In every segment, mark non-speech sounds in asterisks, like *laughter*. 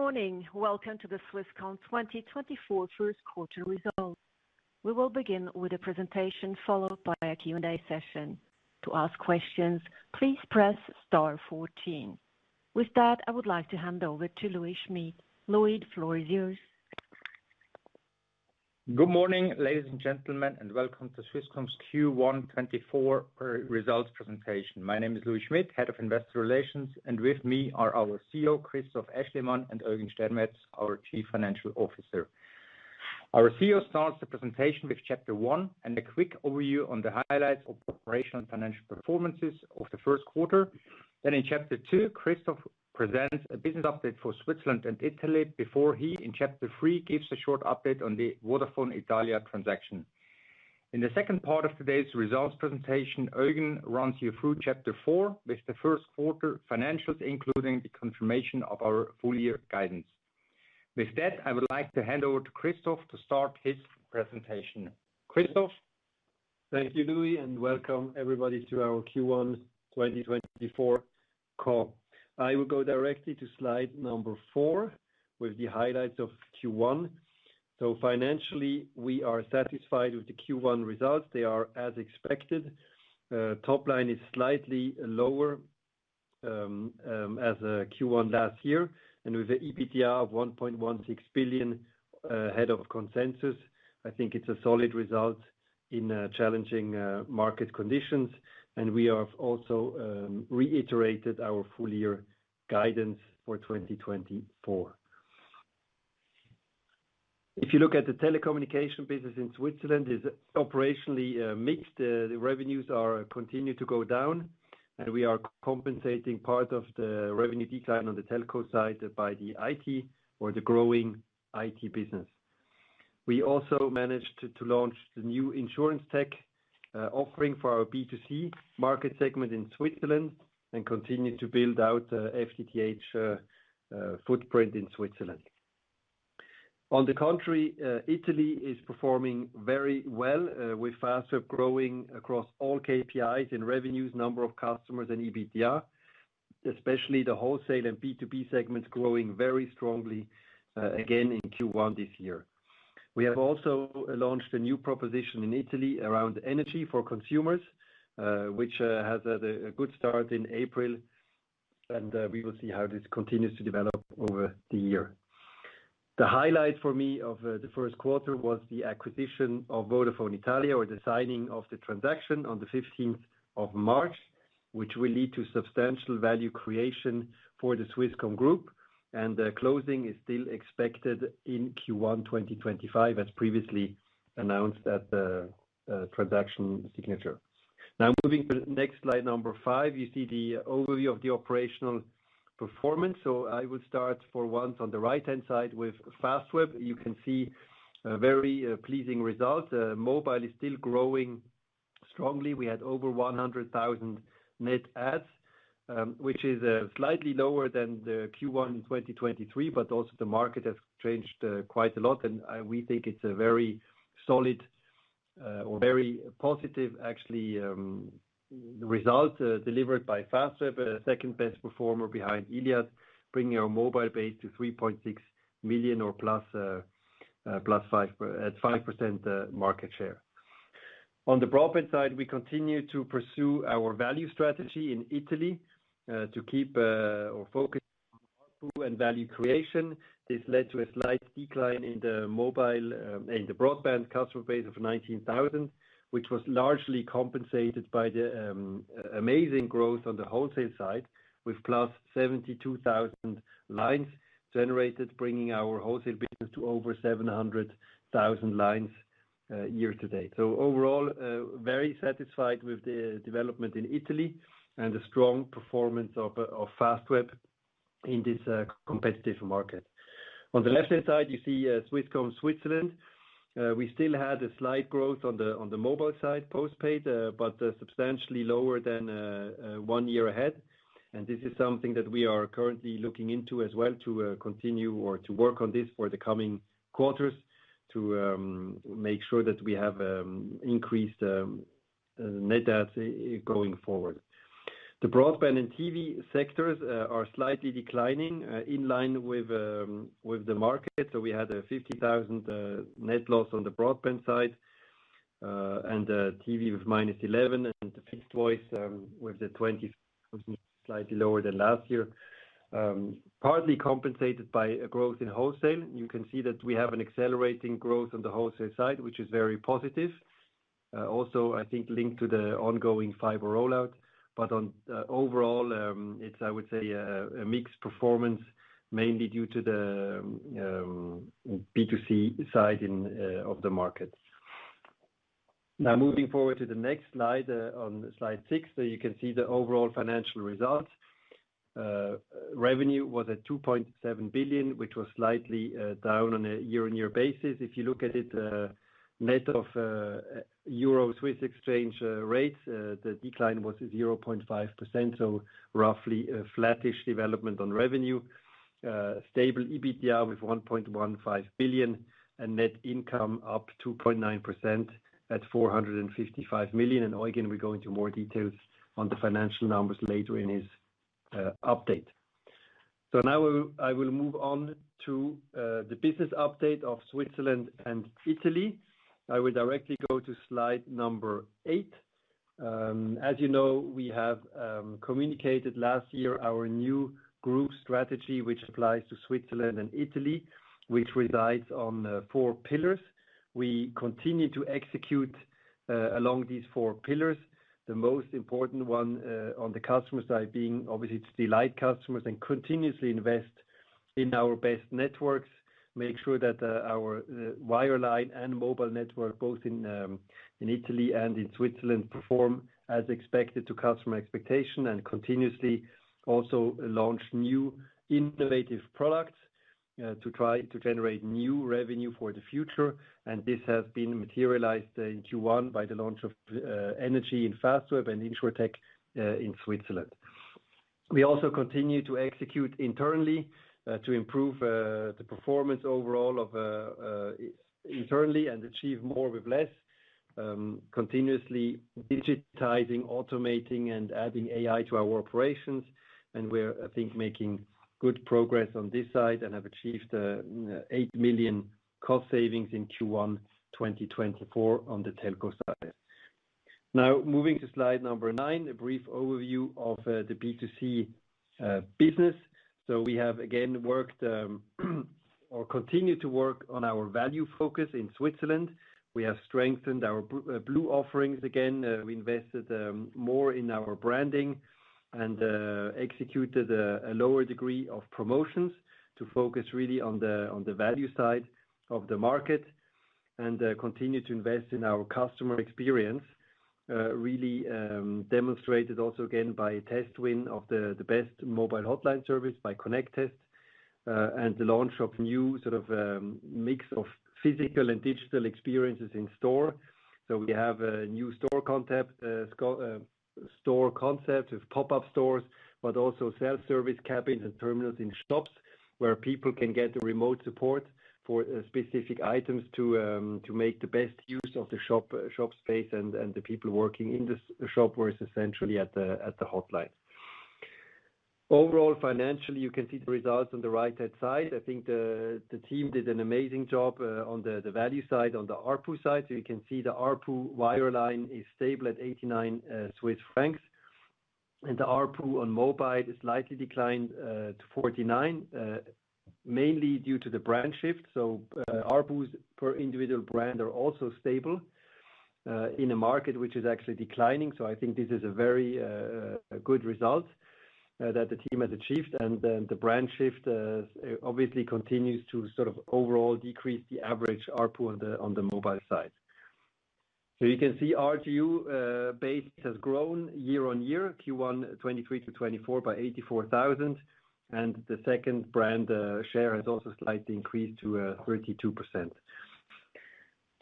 Good morning. Welcome to the Swisscom 2024 First Quarter Results. We will begin with a presentation followed by a Q&A session. To ask questions, please press star fourteen. With that, I would like to hand over to Louis Schmid. Louis, the floor is yours. Good morning, ladies and gentlemen, and welcome to Swisscom's Q1 2024 results presentation. My name is Louis Schmid, Head of Investor Relations, and with me are our CEO, Christoph Aeschlimann, and Eugen Stermetz, our Chief Financial Officer. Our CEO starts the presentation with Chapter One and a quick overview on the highlights of operational and financial performances of the first quarter. Then in Chapter Two, Christoph presents a business update for Switzerland and Italy before he in Chapter Three gives a short update on the Vodafone Italia transaction. In the second part of today's results presentation, Eugen runs you through Chapter Four with the first quarter financials, including the confirmation of our full-year guidance. With that, I would like to hand over to Christoph to start his presentation. Christoph? Thank you, Louis, and welcome everybody to our Q1 2024 call. I will go directly to slide number four with the highlights of Q1. Financially, we are satisfied with the Q1 results. They are as expected. Top line is slightly lower as Q1 last year, and with an EBITDA of 1.16 billion ahead of consensus, I think it's a solid result in challenging market conditions. We have also reiterated our full-year guidance for 2024. If you look at the telecommunications business in Switzerland, it's operationally mixed. The revenues continue to go down, and we are compensating part of the revenue decline on the telco side by the IT or the growing IT business. We also managed to launch the new insurance tech offering for our B2C market segment in Switzerland and continue to build out the FTTH footprint in Switzerland. In the country, Italy is performing very well with faster growing across all KPIs in revenues, number of customers, and EBITDA, especially the wholesale and B2B segments growing very strongly, again, in Q1 this year. We have also launched a new proposition in Italy around energy for consumers, which has had a good start in April, and we will see how this continues to develop over the year. The highlight for me of the first quarter was the acquisition of Vodafone Italia or the signing of the transaction on the 15th of March, which will lead to substantial value creation for the Swisscom group. And the closing is still expected in Q1 2025, as previously announced at the transaction signature. Now moving to next slide number five, you see the overview of the operational performance. So I will start for once on the right-hand side with Fastweb. You can see a very pleasing result. Mobile is still growing strongly. We had over 100,000 net adds, which is slightly lower than the Q1 in 2023, but also the market has changed quite a lot. We think it's a very solid or very positive, actually, result delivered by Fastweb, second best performer behind Iliad, bringing our mobile base to 3.6 million, or +5% market share. On the broadband side, we continue to pursue our value strategy in Italy to keep or focus on ARPU and value creation. This led to a slight decline in the broadband customer base of 19,000, which was largely compensated by the amazing growth on the wholesale side with +72,000 lines generated, bringing our wholesale business to over 700,000 lines year to date. So overall, very satisfied with the development in Italy and the strong performance of Fastweb in this competitive market. On the left-hand side, you see Swisscom Switzerland. We still had a slight growth on the mobile side postpaid, but substantially lower than one year ahead. And this is something that we are currently looking into as well to continue or to work on this for the coming quarters to make sure that we have increased net adds going forward. The broadband and TV sectors are slightly declining in line with the market. So we had a 50,000 net loss on the broadband side and TV with -11, and the fixed voice with the 20,000, slightly lower than last year, partly compensated by growth in wholesale. You can see that we have an accelerating growth on the wholesale side, which is very positive, also, I think, linked to the ongoing fiber rollout. But overall, it's, I would say, a mixed performance, mainly due to the B2C side of the market. Now moving forward to the next slide, on slide six, you can see the overall financial results. Revenue was at 2.7 billion, which was slightly down on a year-on-year basis. If you look at it, net of Euro-Swiss exchange rates, the decline was 0.5%, so roughly a flattish development on revenue, stable EBITDA with 1.15 billion, and net income up 2.9% at 455 million. Eugen, we'll go into more details on the financial numbers later in his update. Now I will move on to the business update of Switzerland and Italy. I will directly go to slide number eight. As you know, we have communicated last year our new group strategy, which applies to Switzerland and Italy, which resides on four pillars. We continue to execute along these four pillars, the most important one on the customer side being, obviously, to delight customers and continuously invest in our best networks, make sure that our wireline and mobile network, both in Italy and in Switzerland, perform as expected to customer expectations, and continuously also launch new innovative products to try to generate new revenue for the future. This has been materialized in Q1 by the launch of energy in Fastweb and InsurTech in Switzerland. We also continue to execute internally to improve the performance overall internally and achieve more with less, continuously digitizing, automating, and adding AI to our operations. We're, I think, making good progress on this side and have achieved 8 million cost savings in Q1 2024 on the telco side. Now moving to slide number nine, a brief overview of the B2C business. We have, again, worked or continue to work on our value focus in Switzerland. We have strengthened our blue offerings. Again, we invested more in our branding and executed a lower degree of promotions to focus really on the value side of the market and continue to invest in our customer experience, really demonstrated also, again, by a test win of the best mobile hotline service by Connect test and the launch of new sort of mix of physical and digital experiences in store. So we have a new store concept with pop-up stores but also self-service cabins and terminals in shops where people can get the remote support for specific items to make the best use of the shop space and the people working in the shop versus centrally at the hotline. Overall, financially, you can see the results on the right-hand side. I think the team did an amazing job on the value side, on the ARPU side. So you can see the ARPU wireline is stable at 89 Swiss francs. And the ARPU on mobile slightly declined to 49, mainly due to the brand shift. So ARPUs per individual brand are also stable in a market which is actually declining. So I think this is a very good result that the team has achieved. The brand shift obviously continues to sort of overall decrease the average ARPU on the mobile side. You can see RGU base has grown year on year, Q1 2023-2024 by 84,000. The second brand share has also slightly increased to 32%.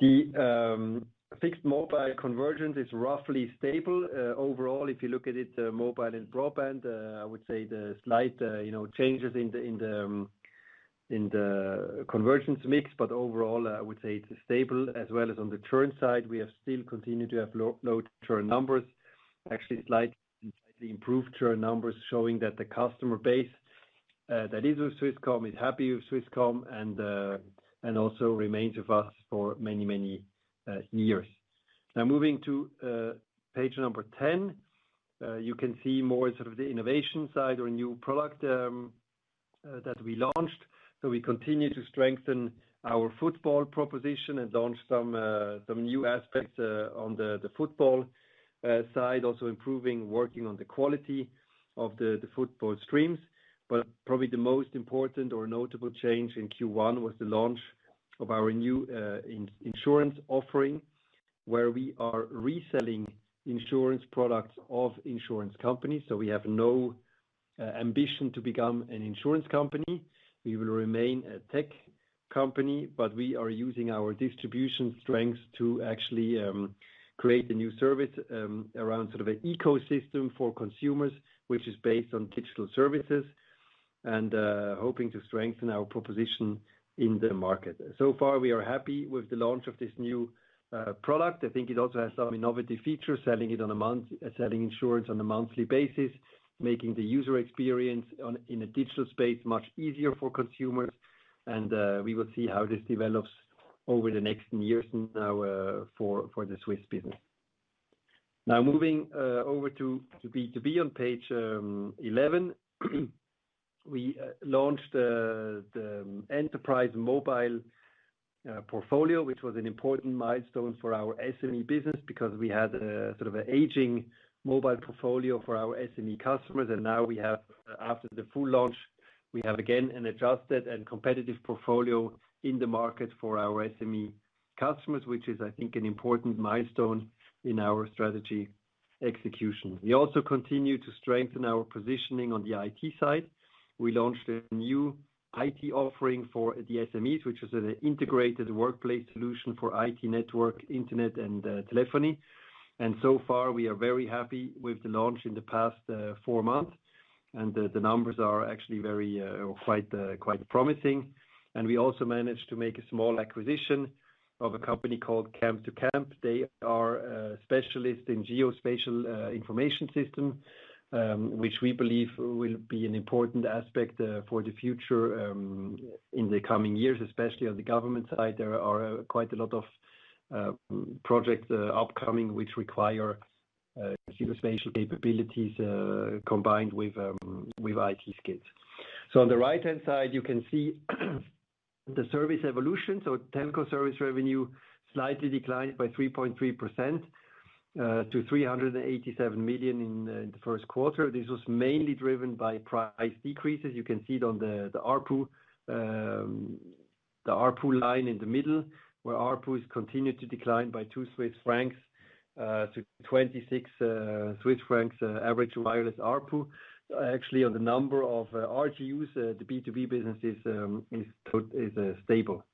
The fixed mobile convergence is roughly stable. Overall, if you look at it mobile and broadband, I would say the slight changes in the convergence mix, but overall, I would say it's stable. As well as on the churn side, we have still continued to have low churn numbers, actually slightly improved churn numbers showing that the customer base that is with Swisscom is happy with Swisscom and also remains with us for many, many years. Now moving to page 10, you can see more sort of the innovation side or new product that we launched. So we continue to strengthen our football proposition and launch some new aspects on the football side, also improving working on the quality of the football streams. But probably the most important or notable change in Q1 was the launch of our new insurance offering where we are reselling insurance products of insurance companies. We have no ambition to become an insurance company. We will remain a tech company, but we are using our distribution strengths to actually create a new service around sort of an ecosystem for consumers which is based on digital services and hoping to strengthen our proposition in the market. So far, we are happy with the launch of this new product. I think it also has some innovative features, selling it on a month selling insurance on a monthly basis, making the user experience in a digital space much easier for consumers. We will see how this develops over the next years now for the Swiss business. Now moving over to B2B on page 11, we launched the enterprise mobile portfolio, which was an important milestone for our SME business because we had sort of an aging mobile portfolio for our SME customers. Now we have, after the full launch, we have again an adjusted and competitive portfolio in the market for our SME customers, which is, I think, an important milestone in our strategy execution. We also continue to strengthen our positioning on the IT side. We launched a new IT offering for the SMEs, which is an integrated workplace solution for IT network, internet, and telephony. So far, we are very happy with the launch in the past four months. The numbers are actually very or quite promising. We also managed to make a small acquisition of a company called Camptocamp. They are specialists in geospatial information systems, which we believe will be an important aspect for the future in the coming years, especially on the government side. There are quite a lot of projects upcoming which require geospatial capabilities combined with IT skills. On the right-hand side, you can see the service evolution. Telco service revenue slightly declined by 3.3% to 387 million in the first quarter. This was mainly driven by price decreases. You can see it on the ARPU line in the middle where ARPU has continued to decline by 2-26 Swiss francs average wireless ARPU. Actually, on the number of RGUs, the B2B business is stable.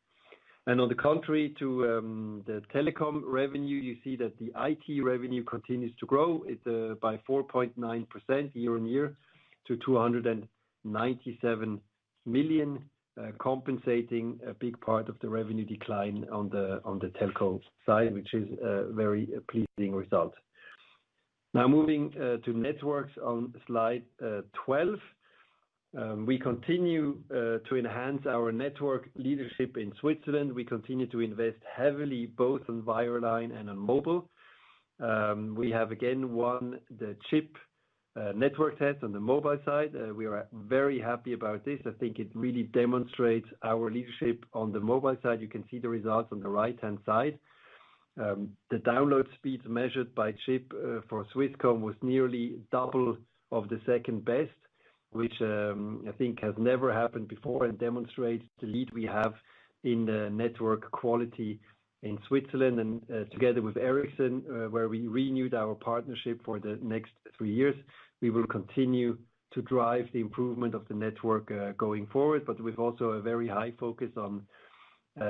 On the contrary, to the telecom revenue, you see that the IT revenue continues to grow by 4.9% year-over-year to 297 million, compensating a big part of the revenue decline on the telco side, which is a very pleasing result. Now moving to networks on slide 12, we continue to enhance our network leadership in Switzerland. We continue to invest heavily both on wireline and on mobile. We have, again, won the CHIP network test on the mobile side. We are very happy about this. I think it really demonstrates our leadership on the mobile side. You can see the results on the right-hand side. The download speeds measured by CHIP for Swisscom was nearly double of the second best, which I think has never happened before and demonstrates the lead we have in the network quality in Switzerland. Together with Ericsson, where we renewed our partnership for the next three years, we will continue to drive the improvement of the network going forward. But we've also a very high focus on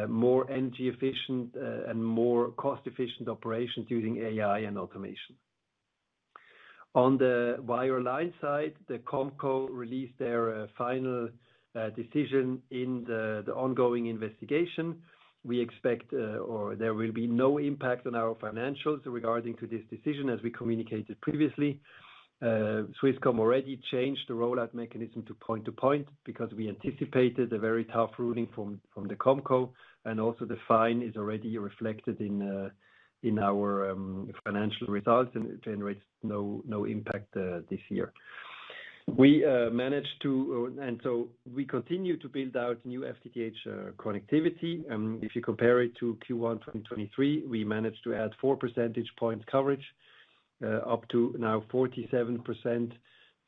more energy-efficient and more cost-efficient operations using AI and automation. On the wireline side, the Comco released their final decision in the ongoing investigation. We expect or there will be no impact on our financials regarding this decision, as we communicated previously. Swisscom already changed the rollout mechanism to point-to-point because we anticipated a very tough ruling from the Comco. Also the fine is already reflected in our financial results and generates no impact this year. We managed to and so we continue to build out new FTTH connectivity. If you compare it to Q1 2023, we managed to add four percentage points coverage, up to now 47%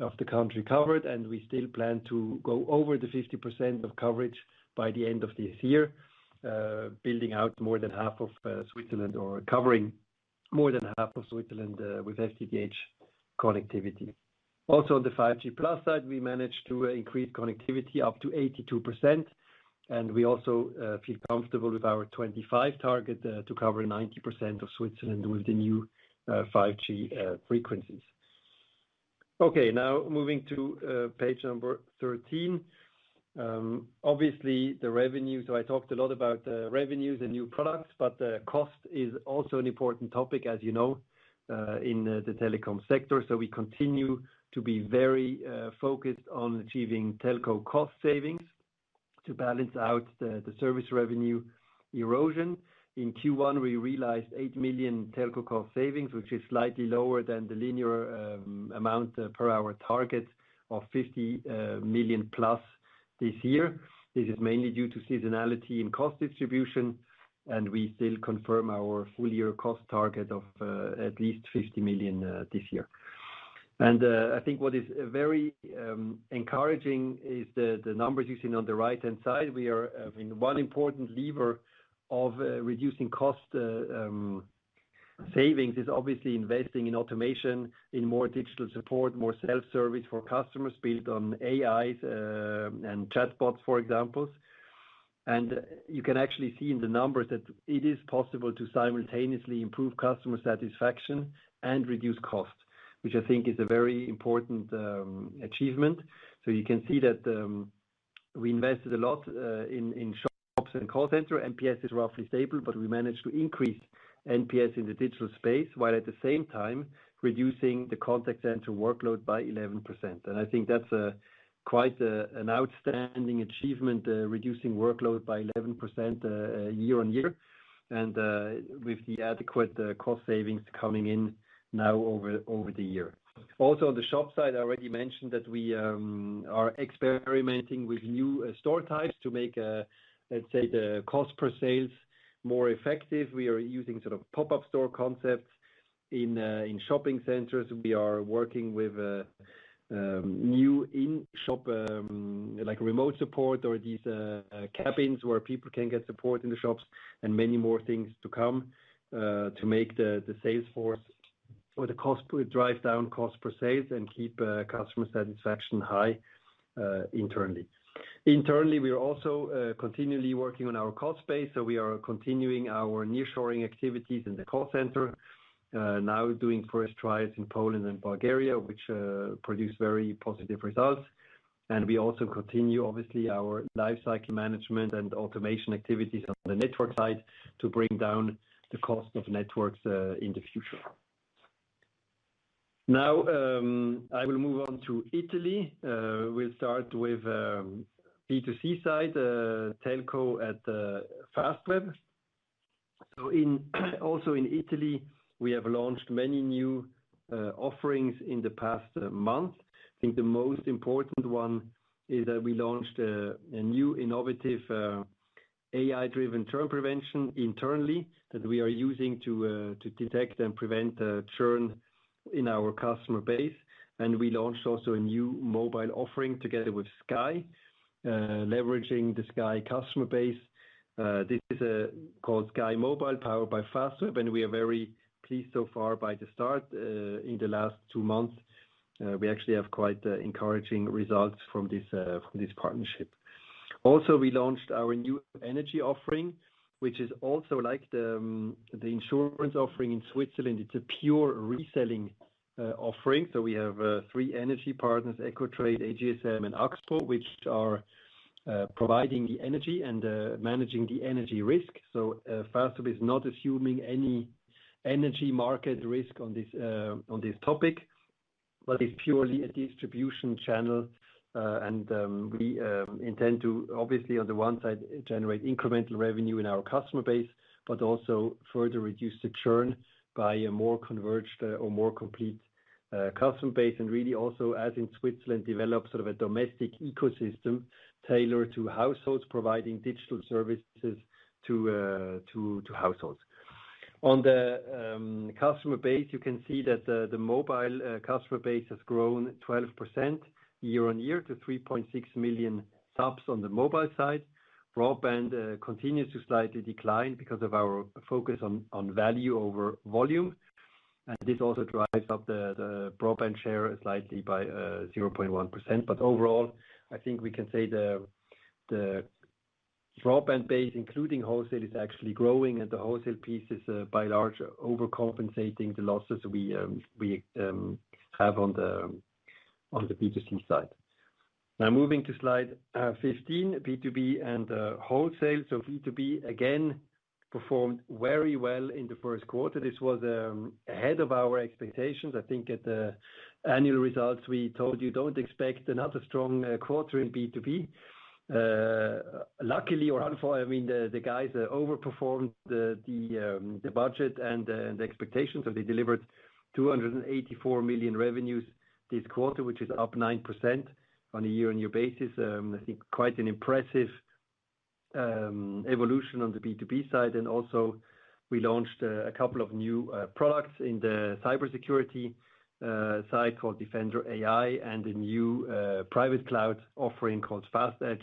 of the country covered. We still plan to go over the 50% of coverage by the end of this year, building out more than half of Switzerland or covering more than half of Switzerland with FTTH connectivity. Also on the 5G+ side, we managed to increase connectivity up to 82%. And we also feel comfortable with our 2025 target to cover 90% of Switzerland with the new 5G frequencies. Okay. Now moving to page 13. Obviously, the revenues, so I talked a lot about the revenues and new products, but the cost is also an important topic, as you know, in the telecom sector. So we continue to be very focused on achieving telco cost savings to balance out the service revenue erosion. In Q1, we realized 8 million telco cost savings, which is slightly lower than the linear amount per hour target of 50 million plus this year. This is mainly due to seasonality in cost distribution. We still confirm our full-year cost target of at least 50 million this year. I think what is very encouraging is the numbers you see on the right-hand side. We are, I mean, one important lever of reducing cost savings is obviously investing in automation, in more digital support, more self-service for customers built on AIs and chatbots, for examples. You can actually see in the numbers that it is possible to simultaneously improve customer satisfaction and reduce cost, which I think is a very important achievement. You can see that we invested a lot in shops and call center. NPS is roughly stable, but we managed to increase NPS in the digital space while at the same time reducing the contact center workload by 11%. I think that's quite an outstanding achievement, reducing workload by 11% year-on-year and with the adequate cost savings coming in now over the year. Also on the shop side, I already mentioned that we are experimenting with new store types to make, let's say, the cost per sales more effective. We are using sort of pop-up store concepts in shopping centers. We are working with new in-shop remote support or these cabins where people can get support in the shops and many more things to come to make the sales force or the cost drive down cost per sales and keep customer satisfaction high internally. Internally, we are also continually working on our cost base. We are continuing our nearshoring activities in the call center, now doing first trials in Poland and Bulgaria, which produce very positive results. And we also continue, obviously, our lifecycle management and automation activities on the network side to bring down the cost of networks in the future. Now I will move on to Italy. We'll start with B2C side, telco at Fastweb. So also in Italy, we have launched many new offerings in the past month. I think the most important one is that we launched a new innovative AI-driven churn prevention internally that we are using to detect and prevent churn in our customer base. And we launched also a new mobile offering together with Sky, leveraging the Sky customer base. This is called Sky Mobile powered by Fastweb. And we are very pleased so far by the start. In the last two months, we actually have quite encouraging results from this partnership. Also, we launched our new energy offering, which is also like the insurance offering in Switzerland. It's a pure reselling offering. So we have three energy partners, Ecotrade, AGSM, and Axpo, which are providing the energy and managing the energy risk. So Fastweb is not assuming any energy market risk on this topic, but it's purely a distribution channel. And we intend to, obviously, on the one side, generate incremental revenue in our customer base, but also further reduce the churn by a more converged or more complete customer base. And really also, as in Switzerland, develop sort of a domestic ecosystem tailored to households, providing digital services to households. On the customer base, you can see that the mobile customer base has grown 12% year-on-year to 3.6 million subs on the mobile side. Broadband continues to slightly decline because of our focus on value over volume. And this also drives up the broadband share slightly by 0.1%. Overall, I think we can say the broadband base, including wholesale, is actually growing. The wholesale piece is by and large overcompensating the losses we have on the B2C side. Now moving to slide 15, B2B and wholesale. So B2B, again, performed very well in the first quarter. This was ahead of our expectations. I think at the annual results, we told you, "Don't expect another strong quarter in B2B." Luckily or unfortunately, I mean, the guys overperformed the budget and the expectations. So they delivered 284 million revenues this quarter, which is up 9% year-on-year. I think quite an impressive evolution on the B2B side. And also, we launched a couple of new products in the cybersecurity side called Defender AI and a new private cloud offering called FastEdge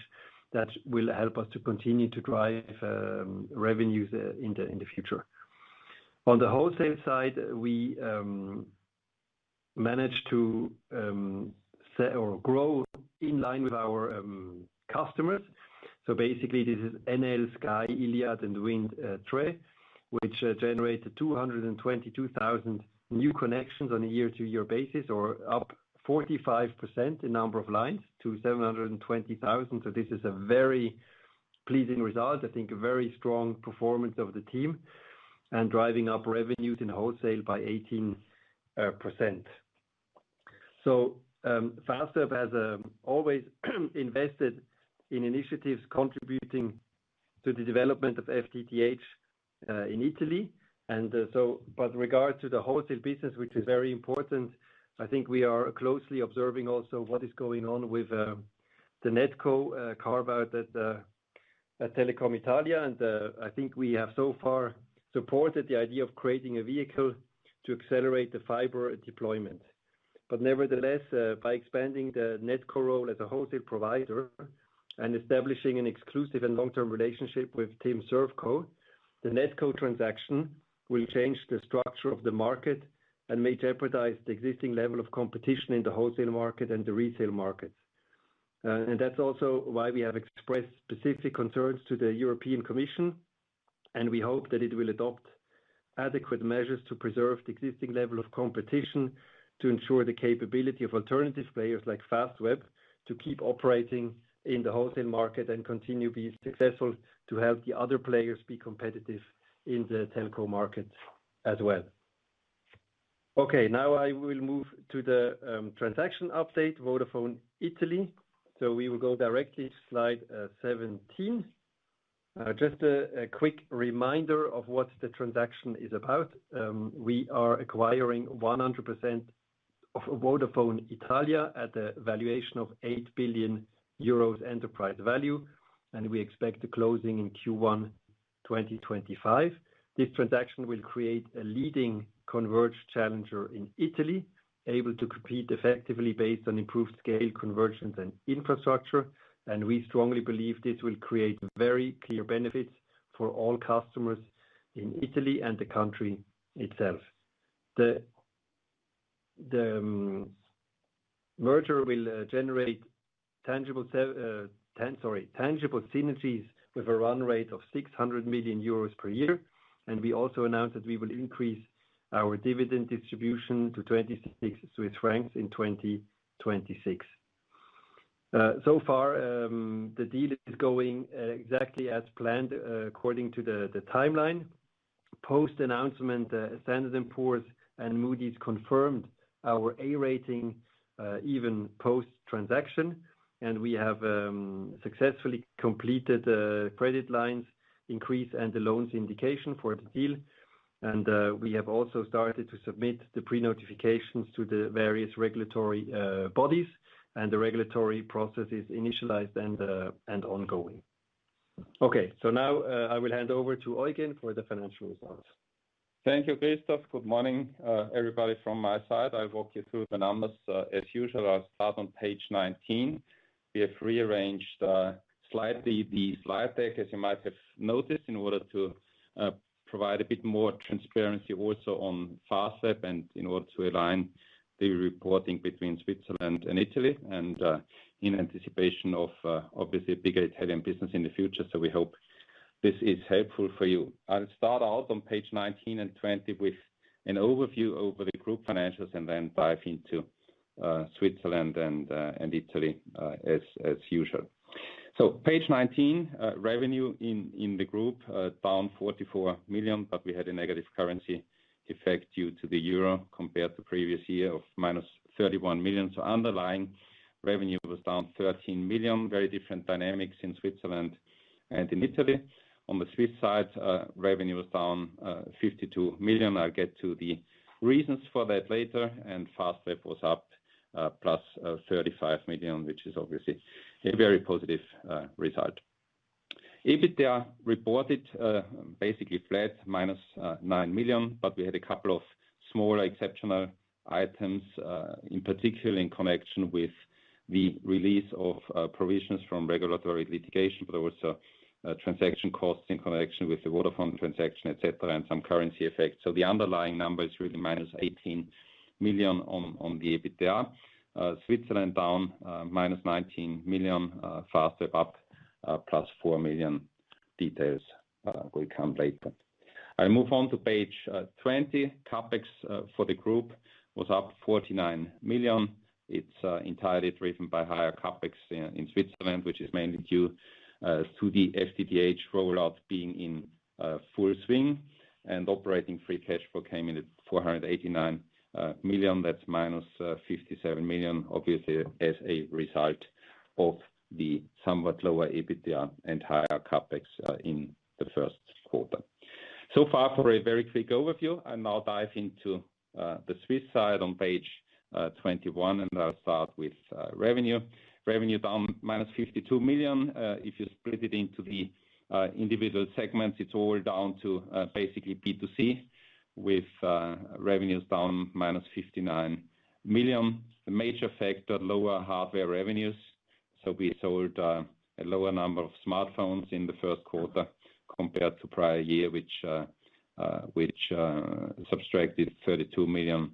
that will help us to continue to drive revenues in the future. On the wholesale side, we managed to grow in line with our customers. So basically, this is Enel, Sky, Iliad, and Wind Tre, which generated 222,000 new connections on a year-to-year basis or up 45% in number of lines to 720,000. So this is a very pleasing result, I think, a very strong performance of the team and driving up revenues in wholesale by 18%. So Fastweb has always invested in initiatives contributing to the development of FTTH in Italy. And so but in regard to the wholesale business, which is very important, I think we are closely observing also what is going on with the NetCo carve-out at Telecom Italia. And I think we have so far supported the idea of creating a vehicle to accelerate the fiber deployment. But nevertheless, by expanding the NetCo role as a wholesale provider and establishing an exclusive and long-term relationship with TIM ServCo, the NetCo transaction will change the structure of the market and may jeopardize the existing level of competition in the wholesale market and the retail markets. And that's also why we have expressed specific concerns to the European Commission. And we hope that it will adopt adequate measures to preserve the existing level of competition to ensure the capability of alternative players like Fastweb to keep operating in the wholesale market and continue to be successful to help the other players be competitive in the telco market as well. Okay. Now I will move to the transaction update, Vodafone Italia. So we will go directly to slide 17. Just a quick reminder of what the transaction is about. We are acquiring 100% of Vodafone Italia at a valuation of 8 billion euros enterprise value. We expect the closing in Q1 2025. This transaction will create a leading converged challenger in Italy, able to compete effectively based on improved scale, convergence, and infrastructure. We strongly believe this will create very clear benefits for all customers in Italy and the country itself. The merger will generate tangible synergies with a run rate of 600 million euros per year. We also announced that we will increase our dividend distribution to 26 Swiss francs in 2026. So far, the deal is going exactly as planned according to the timeline. Post-announcement, S&P and Moody's confirmed our A-rating even post-transaction. We have successfully completed the credit lines increase and the loans indication for the deal. We have also started to submit the pre-notifications to the various regulatory bodies. The regulatory process is initialized and ongoing. Okay. Now I will hand over to Eugen for the financial results. Thank you, Christoph. Good morning, everybody, from my side. I'll walk you through the numbers. As usual, I'll start on page 19. We have rearranged slightly the slide deck, as you might have noticed, in order to provide a bit more transparency also on Fastweb and in order to align the reporting between Switzerland and Italy and in anticipation of, obviously, a bigger Italian business in the future. So we hope this is helpful for you. I'll start out on page 19 and 20 with an overview over the group financials and then dive into Switzerland and Italy as usual. So page 19, revenue in the group down 44 million, but we had a negative currency effect due to the euro compared to previous year of -31 million. So underlying revenue was down 13 million, very different dynamics in Switzerland and in Italy. On the Swiss side, revenue was down 52 million. I'll get to the reasons for that later. Fastweb was up +35 million, which is obviously a very positive result. EBITDA reported basically flat, -9 million, but we had a couple of smaller exceptional items, in particular in connection with the release of provisions from regulatory litigation, but also transaction costs in connection with the Vodafone transaction, etc., and some currency effects. So the underlying number is really -18 million on the EBITDA. Switzerland down -19 million, Fastweb up +4 million. Details will come later. I'll move on to page 20. CapEx for the group was up 49 million. It's entirely driven by higher CapEx in Switzerland, which is mainly due to the FTTH rollout being in full swing. Operating free cash flow came in at 489 million. That's -57 million, obviously, as a result of the somewhat lower EBITDA and higher CapEx in the first quarter. So far for a very quick overview. I'll now dive into the Swiss side on page 21. I'll start with revenue. Revenue down -52 million. If you split it into the individual segments, it's all down to basically B2C with revenues down -59 million. The major factor, lower hardware revenues. So we sold a lower number of smartphones in the first quarter compared to prior year, which subtracted 32 million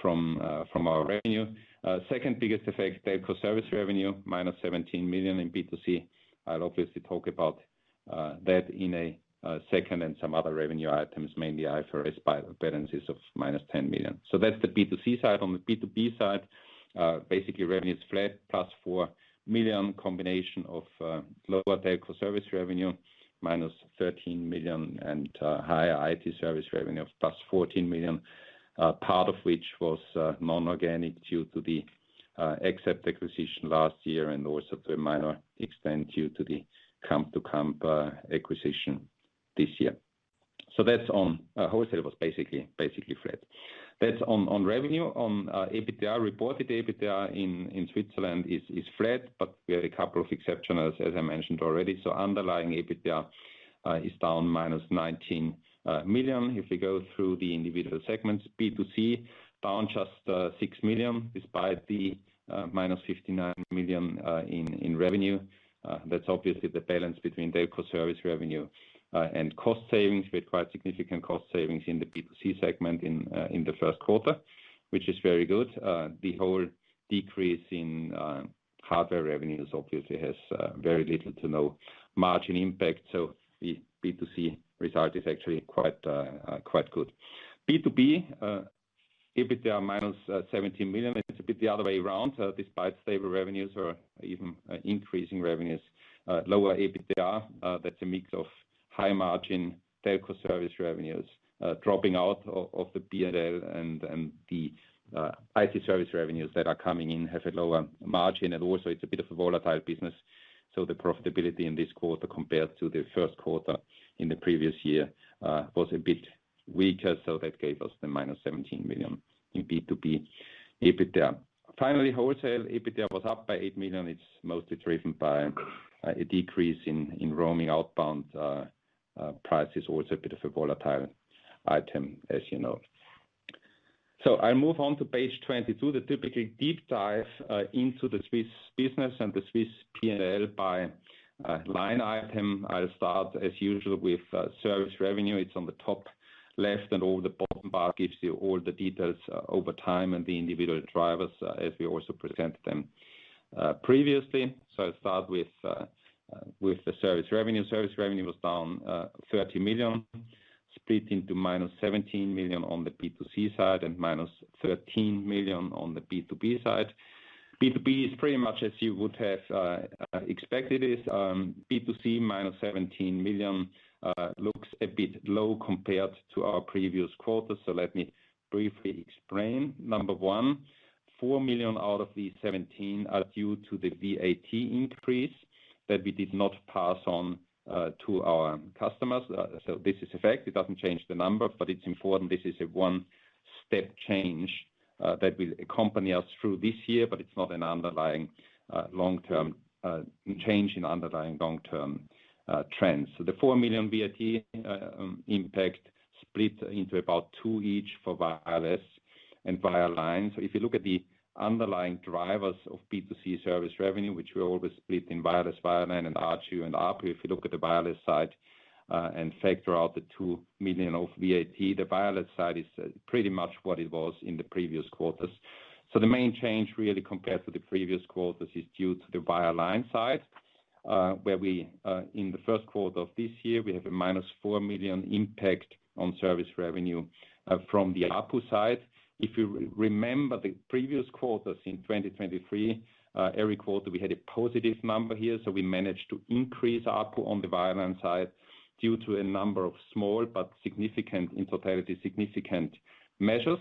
from our revenue. Second biggest effect, telco service revenue, -17 million in B2C. I'll obviously talk about that in a second and some other revenue items, mainly IFRS balances of -10 million. That's the B2C side. On the B2B side, basically, revenue is flat +4 million, combination of lower telco service revenue, -13 million, and higher IT service revenue of +14 million, part of which was non-organic due to the except acquisition last year and also to a minor extent due to the Camptocamp acquisition this year. So that's on wholesale was basically flat. That's on revenue. On EBITDA, reported EBITDA in Switzerland is flat, but we had a couple of exceptionals, as I mentioned already. So underlying EBITDA is down -19 million. If we go through the individual segments, B2C down just 6 million despite the -59 million in revenue. That's obviously the balance between telco service revenue and cost savings. We had quite significant cost savings in the B2C segment in the first quarter, which is very good. The whole decrease in hardware revenues obviously has very little to no margin impact. So the B2C result is actually quite good. B2B, EBITDA -17 million. It's a bit the other way around despite stable revenues or even increasing revenues, lower EBITDA. That's a mix of high margin telco service revenues dropping out of the P&L and the IT service revenues that are coming in have a lower margin. And also, it's a bit of a volatile business. So the profitability in this quarter compared to the first quarter in the previous year was a bit weaker. So that gave us the -17 million in B2B EBITDA. Finally, wholesale EBITDA was up by 8 million. It's mostly driven by a decrease in roaming outbound prices, also a bit of a volatile item, as you know. So I'll move on to page 22, the typical deep dive into the Swiss business and the Swiss P&L by line item. I'll start, as usual, with service revenue. It's on the top left. And all the bottom bar gives you all the details over time and the individual drivers as we also presented them previously. So I'll start with the service revenue. Service revenue was down 30 million, split into -17 million on the B2C side and -13 million on the B2B side. B2B is pretty much as you would have expected it. B2C -17 million looks a bit low compared to our previous quarter. So let me briefly explain. Number one, 4 million out of these 17 are due to the VAT increase that we did not pass on to our customers. So this is effect. It doesn't change the number. But it's important. This is a one-step change that will accompany us through this year. But it's not an underlying long-term change in underlying long-term trends. So the 4 million VAT impact split into about 2 million each for wireless and wire lines. So if you look at the underlying drivers of B2C service revenue, which we always split in wireless, wire line, and RGU and ARPU, if you look at the wireless side and factor out the 2 million of VAT, the wireless side is pretty much what it was in the previous quarters. So the main change really compared to the previous quarters is due to the wire line side, where, in the first quarter of this year, we have a -4 million impact on service revenue from the ARPU side. If you remember the previous quarters in 2023, every quarter, we had a positive number here. So we managed to increase ARPU on the wire line side due to a number of small but significant in totality, significant measures.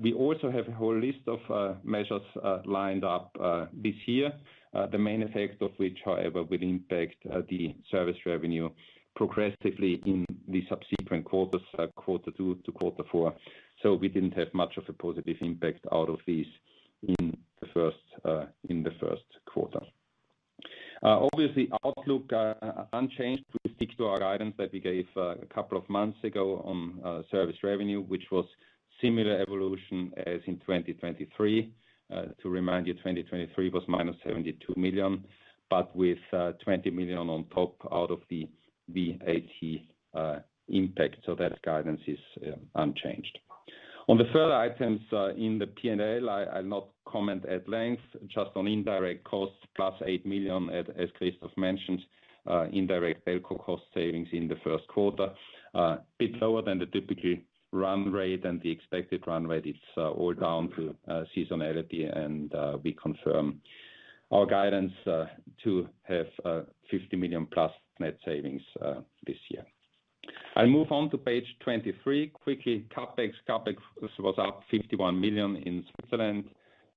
We also have a whole list of measures lined up this year, the main effect of which, however, will impact the service revenue progressively in the subsequent quarters, quarter two to quarter four. So we didn't have much of a positive impact out of these in the first quarter. Obviously, outlook unchanged. We stick to our guidance that we gave a couple of months ago on service revenue, which was similar evolution as in 2023. To remind you, 2023 was -72 million, but with 20 million on top out of the VAT impact. So that guidance is unchanged. On the further items in the P&L, I'll not comment at length, just on indirect costs +8 million, as Christoph mentioned, indirect telco cost savings in the first quarter, a bit lower than the typical run rate and the expected run rate. It's all down to seasonality. We confirm our guidance to have 50 million+ net savings this year. I'll move on to page 23 quickly. CapEx, CapEx was up 51 million in Switzerland,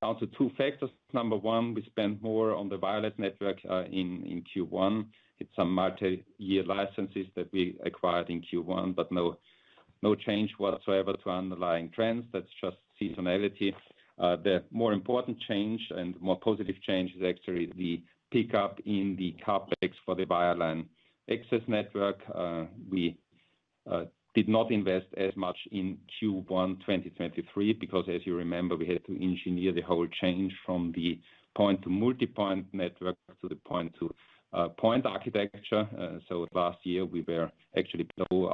down to two factors. Number one, we spent more on the wireless network in Q1. It's some multi-year licenses that we acquired in Q1, but no change whatsoever to underlying trends. That's just seasonality. The more important change and more positive change is actually the pickup in the CapEx for the wire line access network. We did not invest as much in Q1 2023 because, as you remember, we had to engineer the whole change from the point-to-multipoint network to the point-to-point architecture. Last year, we were actually below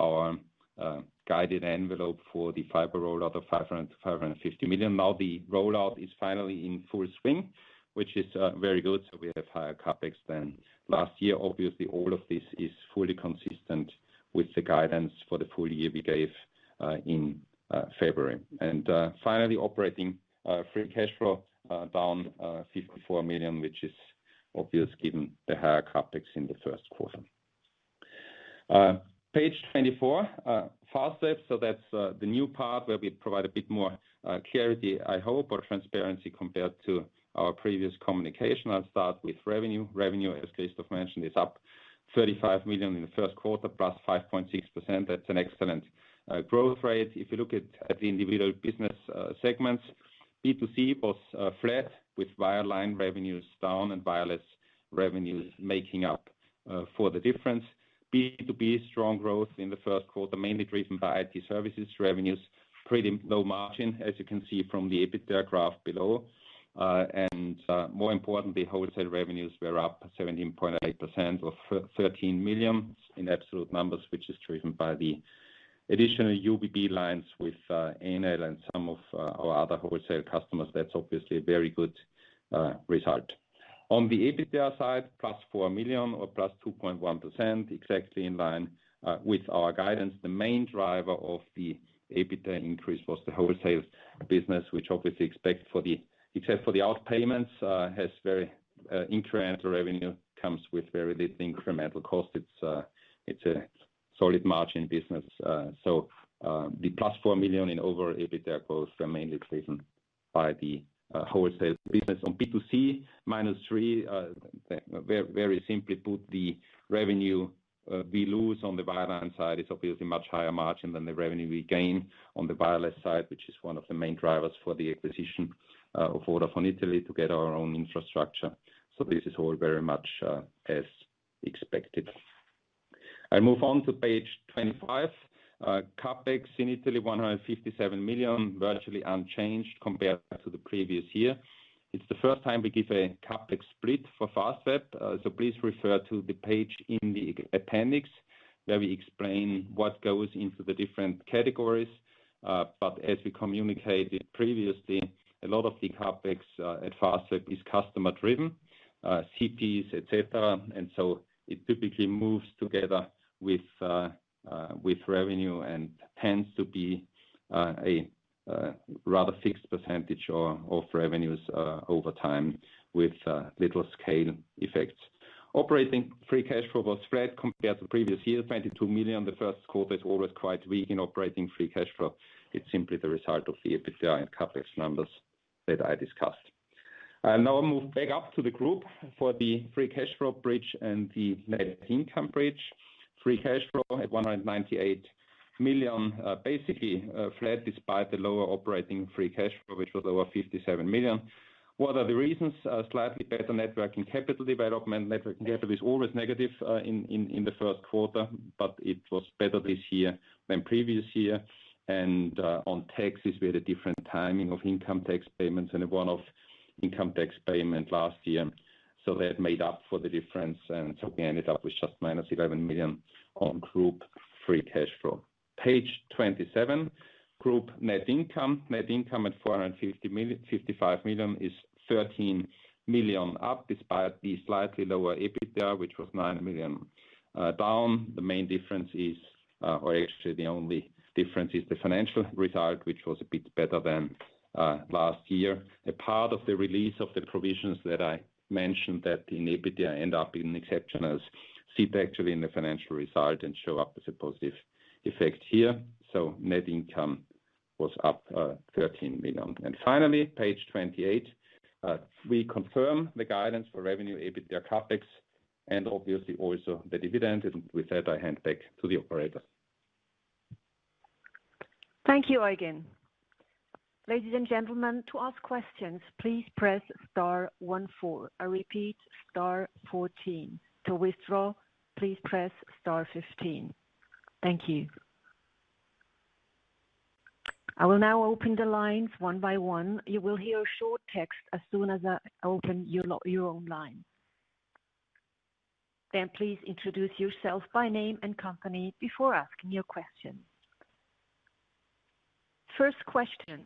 our guided envelope for the fiber rollout of 500 million-550 million. Now the rollout is finally in full swing, which is very good. We have higher CapEx than last year. Obviously, all of this is fully consistent with the guidance for the full year we gave in February. And finally, operating free cash flow down 54 million, which is obvious given the higher CapEx in the first quarter. Page 24, Fastweb. That's the new part where we provide a bit more clarity, I hope, or transparency compared to our previous communication. I'll start with revenue. Revenue, as Christoph mentioned, is up 35 million in the first quarter +5.6%. That's an excellent growth rate. If you look at the individual business segments, B2C was flat with wireline revenues down and wireless revenues making up for the difference. B2B, strong growth in the first quarter, mainly driven by IT services revenues, pretty low margin, as you can see from the EBITDA graph below. And more importantly, wholesale revenues were up 17.8% or 13 million in absolute numbers, which is driven by the additional UBB lines with ANL and some of our other wholesale customers. That's obviously a very good result. On the EBITDA side, +4 million or +2.1%, exactly in line with our guidance. The main driver of the EBITDA increase was the wholesale business, which obviously, except for the outpayments, has very incremental revenue, comes with very little incremental cost. It's a solid margin business. So the +4 million in overall EBITDA growth were mainly driven by the wholesale business. On B2C, -3 million, very simply put, the revenue we lose on the wire line side is obviously much higher margin than the revenue we gain on the wireless side, which is one of the main drivers for the acquisition of Vodafone Italy to get our own infrastructure. So this is all very much as expected. I'll move on to page 25. CapEx in Italy, 157 million, virtually unchanged compared to the previous year. It's the first time we give a CapEx split for Fastweb. So please refer to the page in the appendix where we explain what goes into the different categories. But as we communicated previously, a lot of the CapEx at Fastweb is customer-driven, CPEs, etc. And so it typically moves together with revenue and tends to be a rather fixed percentage of revenues over time with little scale effects. Operating free cash flow was flat compared to the previous year. 22 million. The first quarter is always quite weak in operating free cash flow. It's simply the result of the EBITDA and CapEx numbers that I discussed. I'll now move back up to the group for the free cash flow bridge and the net income bridge. Free cash flow at 198 million, basically flat despite the lower operating free cash flow, which was over 57 million. What are the reasons? Slightly better net working capital development. Net working capital is always negative in the first quarter. But it was better this year than previous year. And on taxes, we had a different timing of income tax payments and a one-off income tax payment last year. So that made up for the difference. And so we ended up with just -11 million on group free cash flow. Page 27, group net income. Net income at 455 million is up 13 million despite the slightly lower EBITDA, which was down 9 million. The main difference is or actually, the only difference is the financial result, which was a bit better than last year. A part of the release of the provisions that I mentioned that in EBITDA end up in exceptionals sit actually in the financial result and show up as a positive effect here. So net income was up 13 million. And finally, page 28, we confirm the guidance for revenue, EBITDA, CapEx and obviously also the dividend. And with that, I hand back to the operators. Thank you, Eugen. Ladies and gentlemen, to ask questions, please press star one four. I repeat, star fourteen. To withdraw, please press star fifteen. Thank you. I will now open the lines one by one. You will hear a short text as soon as I open your own line. Then please introduce yourself by name and company before asking your question. First question.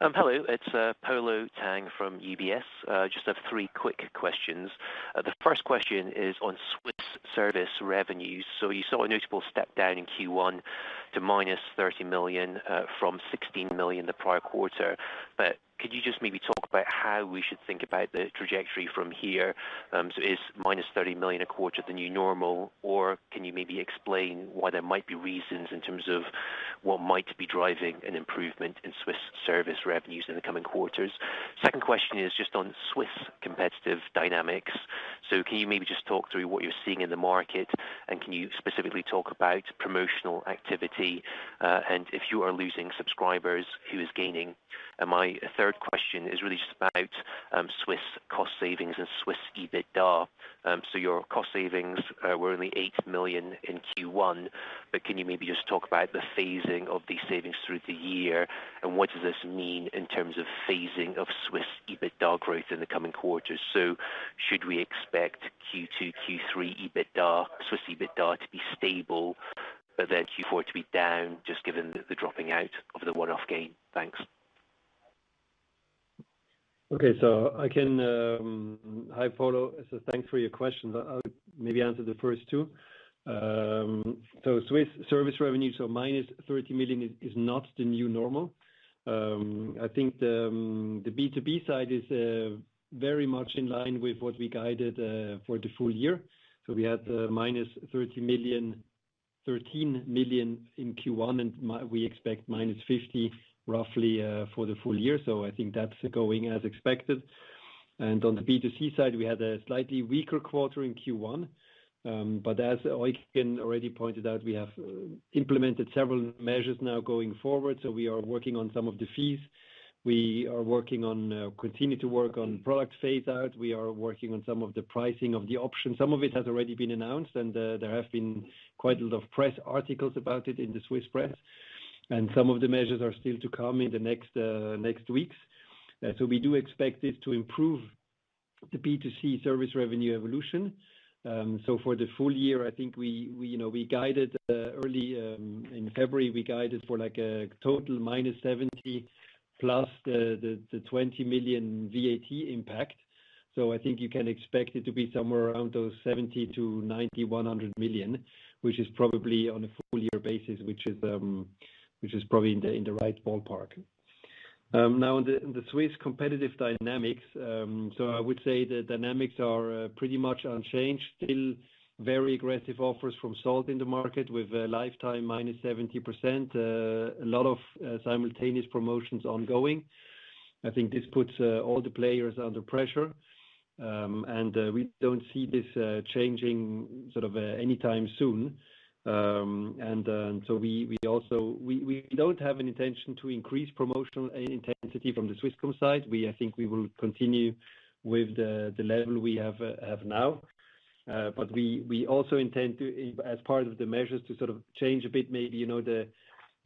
Hello. It's Polo Tang from UBS. Just have three quick questions. The first question is on Swiss service revenues. So you saw a notable step down in Q1 to -30 million from 16 million the prior quarter. But could you just maybe talk about how we should think about the trajectory from here? So is -30 million a quarter the new normal? Or can you maybe explain why there might be reasons in terms of what might be driving an improvement in Swiss service revenues in the coming quarters? Second question is just on Swiss competitive dynamics. So can you maybe just talk through what you're seeing in the market? And can you specifically talk about promotional activity and if you are losing subscribers, who is gaining? And my third question is really just about Swiss cost savings and Swiss EBITDA. Your cost savings were only 8 million in Q1. But can you maybe just talk about the phasing of these savings through the year? And what does this mean in terms of phasing of Swiss EBITDA growth in the coming quarters? So should we expect Q2, Q3 Swiss EBITDA to be stable, but then Q4 to be down just given the dropping out of the one-off gain? Thanks. Okay. Hi, Polo. Thanks for your questions. I'll maybe answer the first two. So Swiss service revenue, so -30 million is not the new normal. I think the B2B side is very much in line with what we guided for the full year. So we had -13 million in Q1. And we expect -50 roughly for the full year. So I think that's going as expected. And on the B2C side, we had a slightly weaker quarter in Q1. But as Eugen already pointed out, we have implemented several measures now going forward. So we are working on some of the fees. We are continuing to work on product phase out. We are working on some of the pricing of the options. Some of it has already been announced. There have been quite a lot of press articles about it in the Swiss press. Some of the measures are still to come in the next weeks. We do expect this to improve the B2C service revenue evolution. For the full year, I think we guided early in February, we guided for a total -70 million plus the 20 million VAT impact. I think you can expect it to be somewhere around those 70 million-90 million, 100 million, which is probably on a full-year basis, which is probably in the right ballpark. Now, in the Swiss competitive dynamics, I would say the dynamics are pretty much unchanged. Still very aggressive offers from Salt in the market with a lifetime -70%, a lot of simultaneous promotions ongoing. I think this puts all the players under pressure. We don't see this changing sort of anytime soon. So we don't have an intention to increase promotional intensity from the Swisscom side. I think we will continue with the level we have now. But we also intend to, as part of the measures, to sort of change a bit maybe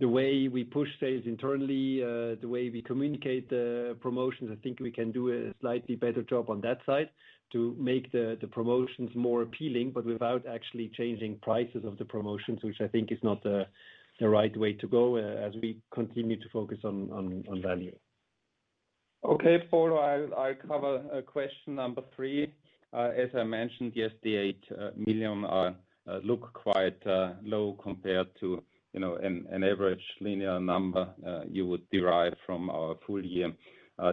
the way we push sales internally, the way we communicate the promotions. I think we can do a slightly better job on that side to make the promotions more appealing but without actually changing prices of the promotions, which I think is not the right way to go as we continue to focus on value. Okay, Polo. I'll cover question number three. As I mentioned, yes, the 8 million look quite low compared to an average linear number you would derive from our full-year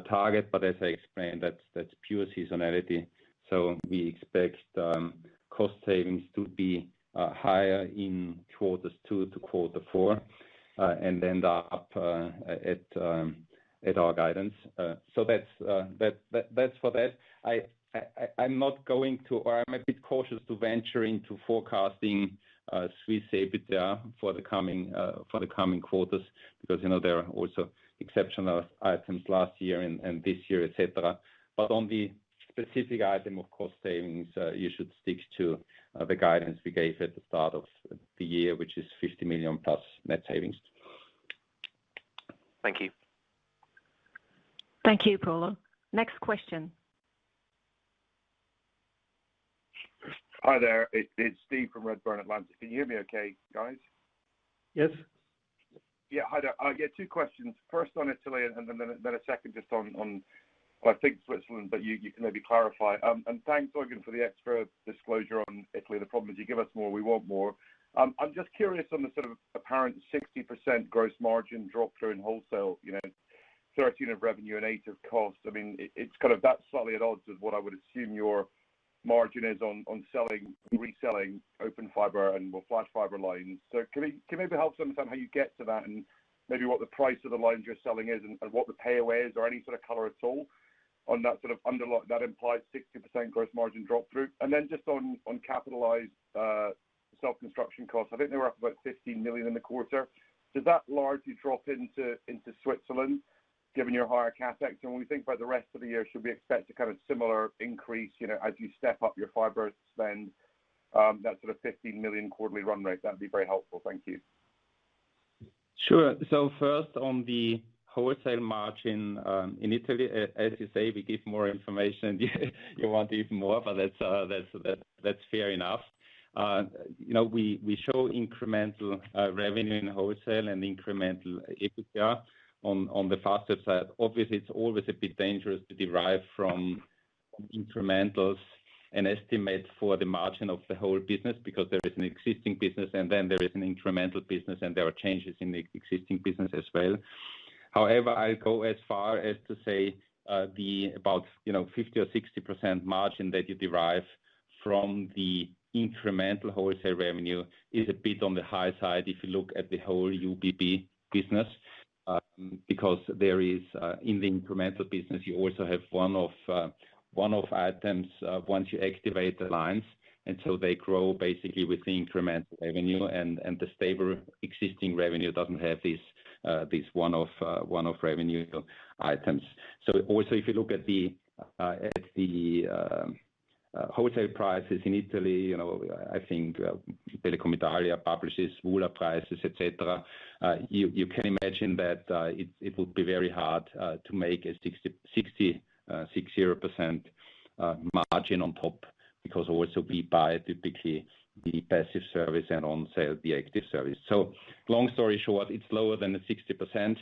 target. But as I explained, that's pure seasonality. So we expect cost savings to be higher in quarters two to quarter four and end up at our guidance. So that's for that. I'm not going to or I'm a bit cautious to venture into forecasting Swiss EBITDA for the coming quarters because there are also exceptional items last year and this year, etc. But on the specific item of cost savings, you should stick to the guidance we gave at the start of the year, which is 50 million plus net savings. Thank you. Thank you, Polo. Next question. Hi there. It's Steve from Redburn Atlantic. Can you hear me okay, guys? Yes. Yeah. Hi there. Yeah, two questions. First on Italy and then a second just on, well, I think Switzerland, but you can maybe clarify. And thanks, Eugen, for the extra disclosure on Italy. The problem is you give us more. We want more. I'm just curious on the sort of apparent 60% gross margin drop through in wholesale, 13% of revenue and 8% of cost. I mean, it's kind of that's slightly at odds with what I would assume your margin is on reselling Open Fiber and/or Flash Fiber lines. So can maybe help us understand how you get to that and maybe what the price of the lines you're selling is and what the payaway is or any sort of color at all on that sort of underlying that implies 60% gross margin drop through? Then just on capitalized self-construction costs, I think they were up about 15 million in the quarter. Does that largely drop into Switzerland given your higher CapEx? And when we think about the rest of the year, should we expect a kind of similar increase as you step up your fiber spend, that sort of 15 million quarterly run rate? That would be very helpful. Thank you. Sure. So first, on the wholesale margin in Italy, as you say, we give more information. You want to give more, but that's fair enough. We show incremental revenue in wholesale and incremental EBITDA on the Fastweb side. Obviously, it's always a bit dangerous to derive from incrementals an estimate for the margin of the whole business because there is an existing business, and then there is an incremental business, and there are changes in the existing business as well. However, I'll go as far as to say about 50% or 60% margin that you derive from the incremental wholesale revenue is a bit on the high side if you look at the whole UBB business because in the incremental business, you also have one-off items once you activate the lines. And so they grow basically with the incremental revenue. The stable existing revenue doesn't have these one-off revenue items. Also, if you look at the wholesale prices in Italy, I think Telecom Italia publishes retail prices, etc. You can imagine that it would be very hard to make a 60%-60% margin on top because also we buy typically the passive service and resell the active service. Long story short, it's lower than 60%,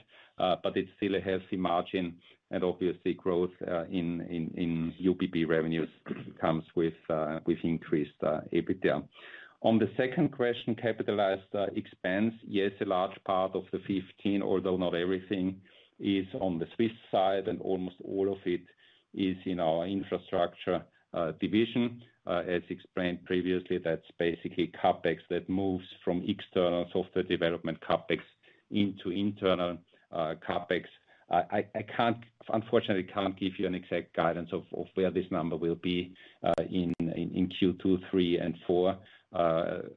but it's still a healthy margin. Obviously, growth in UBB revenues comes with increased EBITDA. On the second question, capitalized expense, yes, a large part of the 15, although not everything, is on the Swiss side. Almost all of it is in our infrastructure division. As explained previously, that's basically CapEx that moves from external software development CapEx into internal CapEx. Unfortunately, I can't give you an exact guidance of where this number will be in Q2, Q3, and Q4,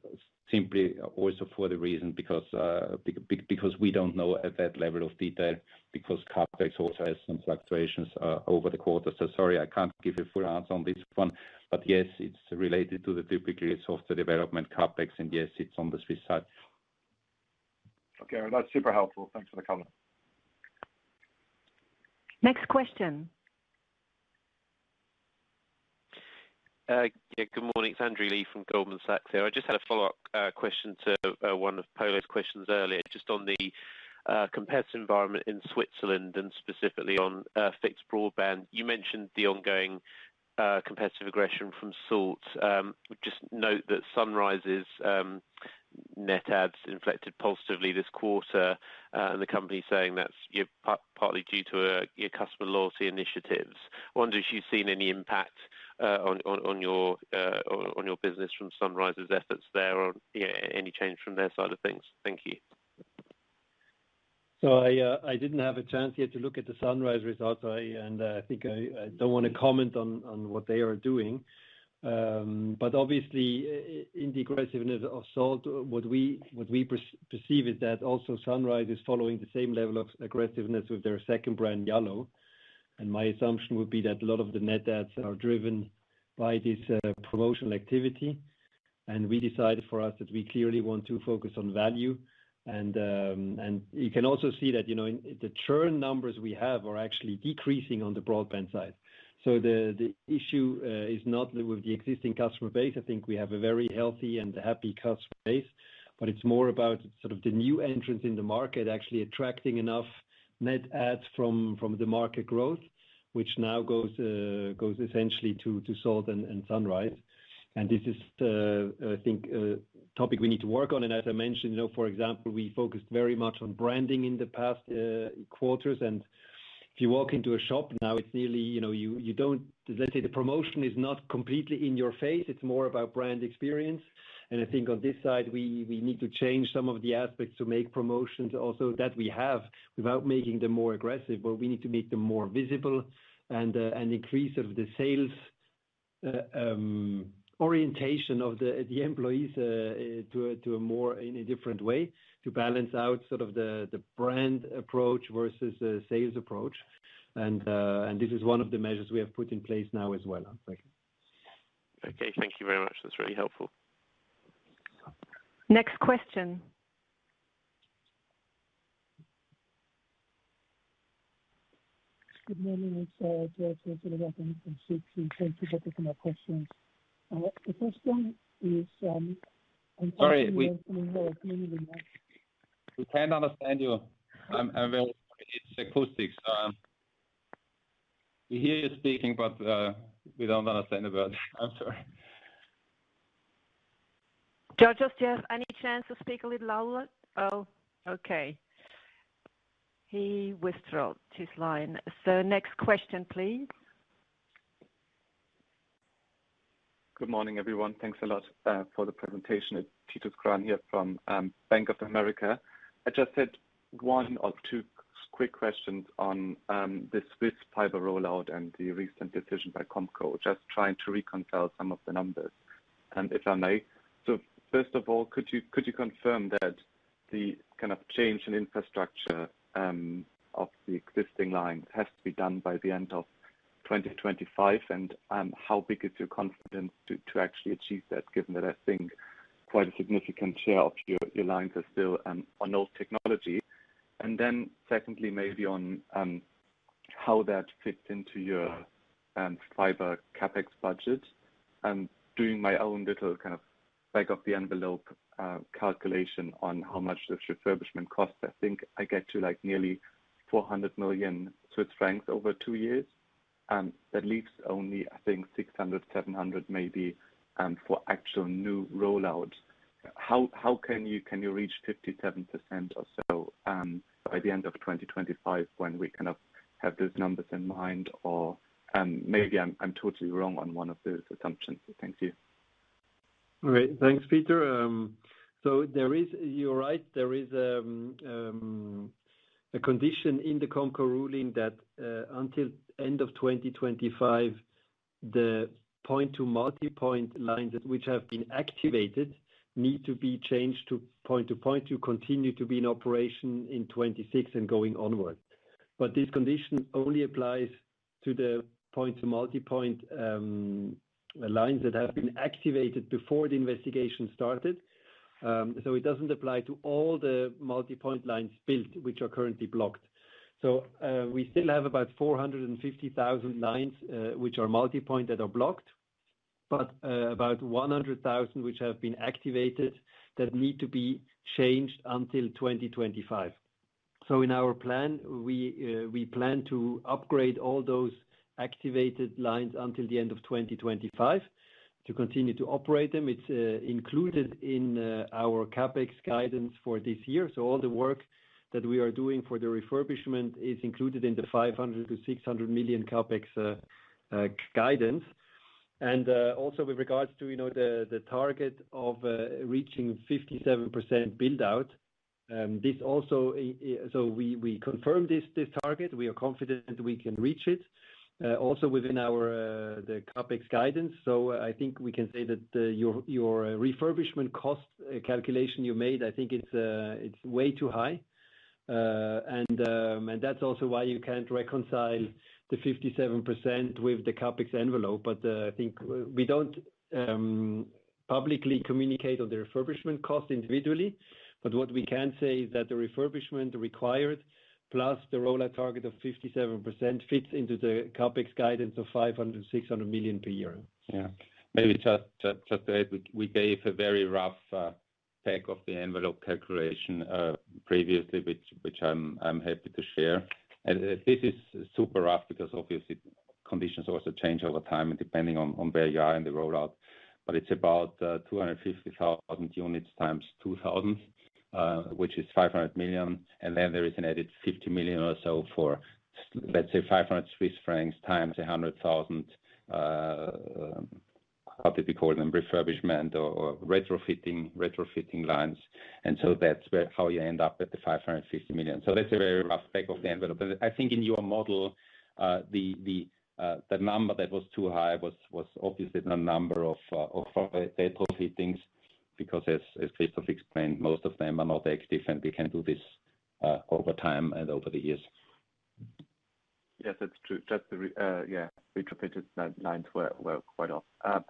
simply also for the reason because we don't know at that level of detail because CapEx also has some fluctuations over the quarters. So sorry, I can't give you a full answer on this one. But yes, it's related to the typically software development CapEx. And yes, it's on the Swiss side. Okay. That's super helpful. Thanks for the comment. Next question. Yeah. Good morning. It's Andrew Lee from Goldman Sachs here. I just had a follow-up question to one of Polo's questions earlier. Just on the competitive environment in Switzerland and specifically on fixed broadband, you mentioned the ongoing competitive aggression from Salt. Just note that Sunrise's net adds inflected positively this quarter. And the company's saying that's partly due to your customer loyalty initiatives. I wonder if you've seen any impact on your business from Sunrise's efforts there or any change from their side of things. Thank you. So I didn't have a chance yet to look at the Sunrise results. And I think I don't want to comment on what they are doing. But obviously, in the aggressiveness of Salt, what we perceive is that also Sunrise is following the same level of aggressiveness with their second brand, yallo. And my assumption would be that a lot of the net adds are driven by this promotional activity. And we decided for us that we clearly want to focus on value. And you can also see that the churn numbers we have are actually decreasing on the broadband side. So the issue is not with the existing customer base. I think we have a very healthy and happy customer base. But it's more about sort of the new entrants in the market actually attracting enough net adds from the market growth, which now goes essentially to Salt and Sunrise. This is, I think, a topic we need to work on. As I mentioned, for example, we focused very much on branding in the past quarters. If you walk into a shop now, it's nearly you don't, let's say, the promotion is not completely in your face. It's more about brand experience. I think on this side, we need to change some of the aspects to make promotions also that we have without making them more aggressive. But we need to make them more visible and increase sort of the sales orientation of the employees to a different way to balance out sort of the brand approach versus the sales approach. This is one of the measures we have put in place now as well. Okay. Thank you very much. That's really helpful. Next question. Good morning. It's. *audio distortion* Thank you for taking my questions. The first one is I'm sorry. We can't understand you. It's acoustic. So we hear you speaking, but we don't understand the word. I'm sorry. George, just yes. Any chance to speak a little louder? Oh, okay. He withdrawn his line. Next question, please. Good morning, everyone. Thanks a lot for the presentation. It's Titus Krahn here from Bank of America. I just had one or two quick questions on the Swiss fiber rollout and the recent decision by Comco, just trying to reconcile some of the numbers, if I may. So first of all, could you confirm that the kind of change in infrastructure of the existing lines has to be done by the end of 2025? And how big is your confidence to actually achieve that given that I think quite a significant share of your lines are still on old technology? And then secondly, maybe on how that fits into your fiber CapEx budget. And doing my own little kind of back-of-the-envelope calculation on how much this refurbishment costs, I think I get to nearly 400 million Swiss francs over two years. That leaves only, I think, 600, 700 maybe for actual new rollout. How can you reach 57% or so by the end of 2025 when we kind of have those numbers in mind? Or maybe I'm totally wrong on one of those assumptions. Thank you. All right. Thanks, Peter. So you're right. There is a condition in the Comco ruling that until end of 2025, the point-to-multipoint lines which have been activated need to be changed to point-to-point to continue to be in operation in 2026 and going onward. But this condition only applies to the point-to-multipoint lines that have been activated before the investigation started. So it doesn't apply to all the multipoint lines built, which are currently blocked. So we still have about 450,000 lines which are multipoint that are blocked, but about 100,000 which have been activated that need to be changed until 2025. So in our plan, we plan to upgrade all those activated lines until the end of 2025 to continue to operate them. It's included in our CapEx guidance for this year. So all the work that we are doing for the refurbishment is included in the 500 million-600 million CapEx guidance. And also, with regards to the target of reaching 57% buildout, this also so we confirmed this target. We are confident we can reach it also within the CapEx guidance. So I think we can say that your refurbishment cost calculation you made, I think it's way too high. And that's also why you can't reconcile the 57% with the CapEx envelope. But I think we don't publicly communicate on the refurbishment cost individually. But what we can say is that the refurbishment required plus the rollout target of 57% fits into the CapEx guidance of 500 million-600 million per year. Yeah. Maybe just to add, we gave a very rough back-of-the-envelope calculation previously, which I'm happy to share. And this is super rough because obviously, conditions also change over time and depending on where you are in the rollout. But it's about 250,000 units times 2,000, which is 500 million. And then there is an added 50 million or so for, let's say, 500 Swiss francs times 100,000, how did we call them, refurbishment or retrofitting lines. And so that's how you end up at the 550 million. So that's a very rough back-of-the-envelope. And I think in your model, the number that was too high was obviously not a number of retrofittings because, as Christoph explained, most of them are not active, and we can do this over time and over the years. Yes, that's true. Yeah, retrofitted lines were quite off.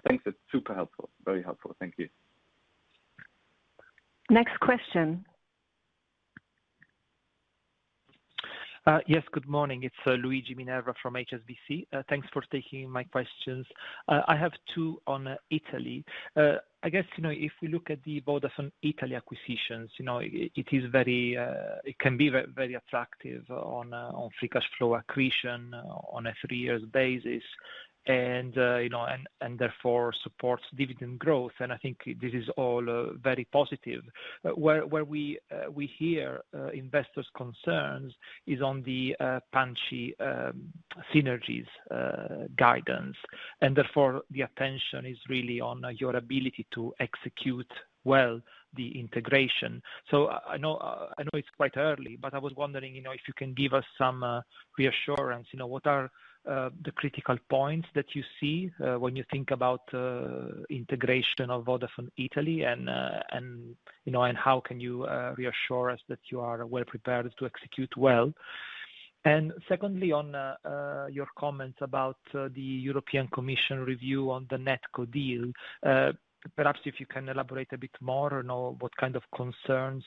Thanks. It's super helpful, very helpful. Thank you. Next question. Yes. Good morning. It's Luigi Minerva from HSBC. Thanks for taking my questions. I have two on Italy. I guess if we look at the Vodafone Italy acquisitions, it can be very attractive on free cash flow accretion on a three-year basis and therefore supports dividend growth. I think this is all very positive. Where we hear investors' concerns is on the punchy synergies guidance. Therefore, the attention is really on your ability to execute well the integration. I know it's quite early, but I was wondering if you can give us some reassurance. What are the critical points that you see when you think about integration of Vodafone Italy? And how can you reassure us that you are well prepared to execute well? And secondly, on your comments about the European Commission review on the NetCo deal, perhaps if you can elaborate a bit more on what kind of concerns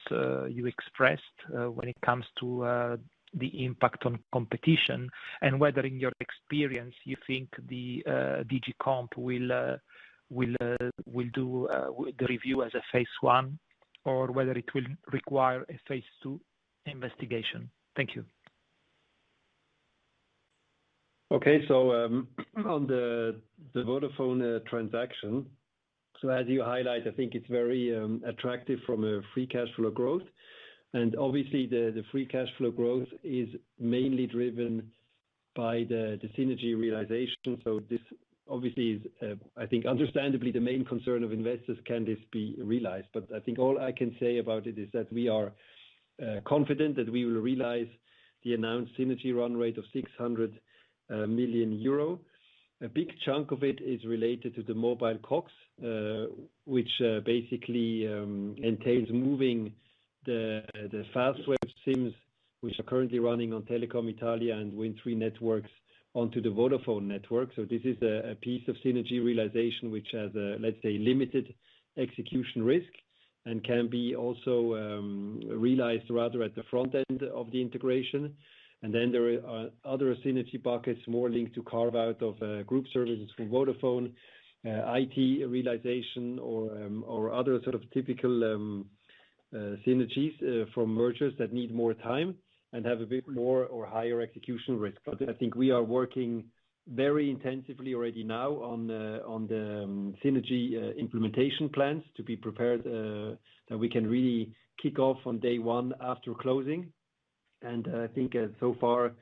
you expressed when it comes to the impact on competition and whether in your experience, you think the DG Comp will do the review as a phase I or whether it will require a phase II investigation? Thank you. Okay. So on the Vodafone transaction, so as you highlight, I think it's very attractive from a free cash flow growth. And obviously, the free cash flow growth is mainly driven by the synergy realization. So this obviously is, I think, understandably, the main concern of investors, can this be realized? But I think all I can say about it is that we are confident that we will realize the announced synergy run rate of 600 million euro. A big chunk of it is related to the mobile COGS, which basically entails moving the Fastweb SIMs, which are currently running on Telecom Italia and Wind Tre networks, onto the Vodafone network. So this is a piece of synergy realization which has, let's say, limited execution risk and can be also realized rather at the front end of the integration. Then there are other synergy buckets more linked to carve out of group services from Vodafone, IT realization, or other sort of typical synergies from mergers that need more time and have a bit more or higher execution risk. But I think we are working very intensively already now on the synergy implementation plans to be prepared that we can really kick off on day one after closing. And I think so far,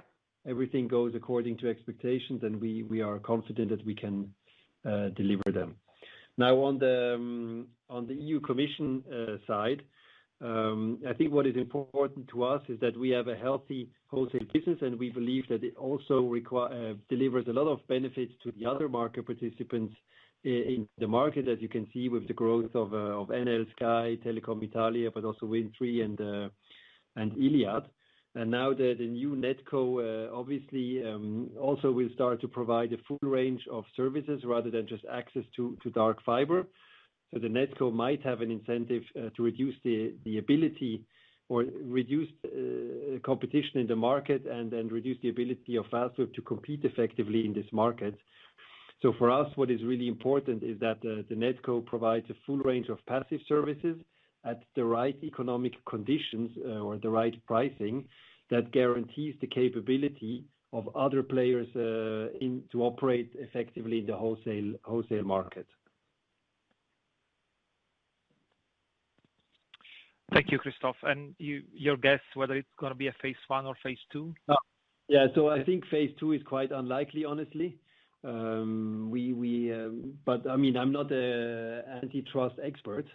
everything goes according to expectations. And we are confident that we can deliver them. Now, on the EU Commission side, I think what is important to us is that we have a healthy wholesale business. And we believe that it also delivers a lot of benefits to the other market participants in the market, as you can see with the growth of Enel, Sky, Telecom Italia, but also Wind Tre and Iliad. Now the new NetCo obviously also will start to provide a full range of services rather than just access to dark fiber. The NetCo might have an incentive to reduce the ability or reduce competition in the market and reduce the ability of Fastweb to compete effectively in this market. For us, what is really important is that the NetCo provides a full range of passive services at the right economic conditions or the right pricing that guarantees the capability of other players to operate effectively in the wholesale market. Thank you, Christoph. Your guess, whether it's going to be a phase I or phase II? Yeah. I think phase II is quite unlikely, honestly. I mean, I'm not an antitrust expert.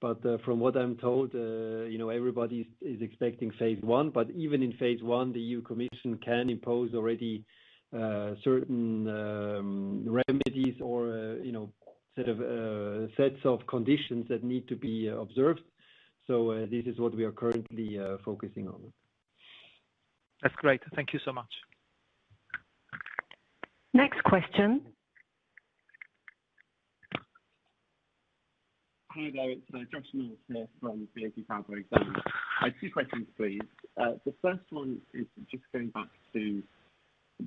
From what I'm told, everybody is expecting phase I. Even in phase I, the EU Commission can impose already certain remedies or sets of conditions that need to be observed. This is what we are currently focusing on. That's great. Thank you so much. Next question. Hi, David. So Josh Mills here from BNP Paribas Exane. I have two questions, please. The first one is just going back to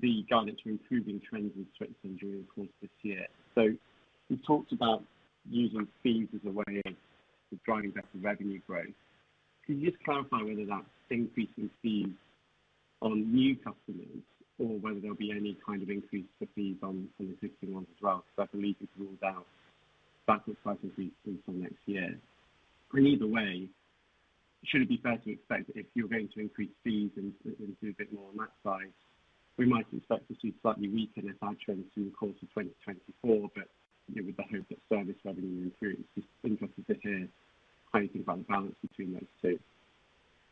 the guidance for improving ARPU trends during the course of this year. So you talked about using fees as a way of driving better revenue growth. Can you just clarify whether that's increasing fees on new customers or whether there'll be any kind of increase to fees on existing ones as well? Because I believe you've ruled out broad-based price increases until next year. And either way, should it be fair to expect that if you're going to increase fees and do a bit more on that side, we might expect to see slightly weaker net add trends through the course of 2024, but with the hope that service revenue improves? Just interested to hear how you think about the balance between those two.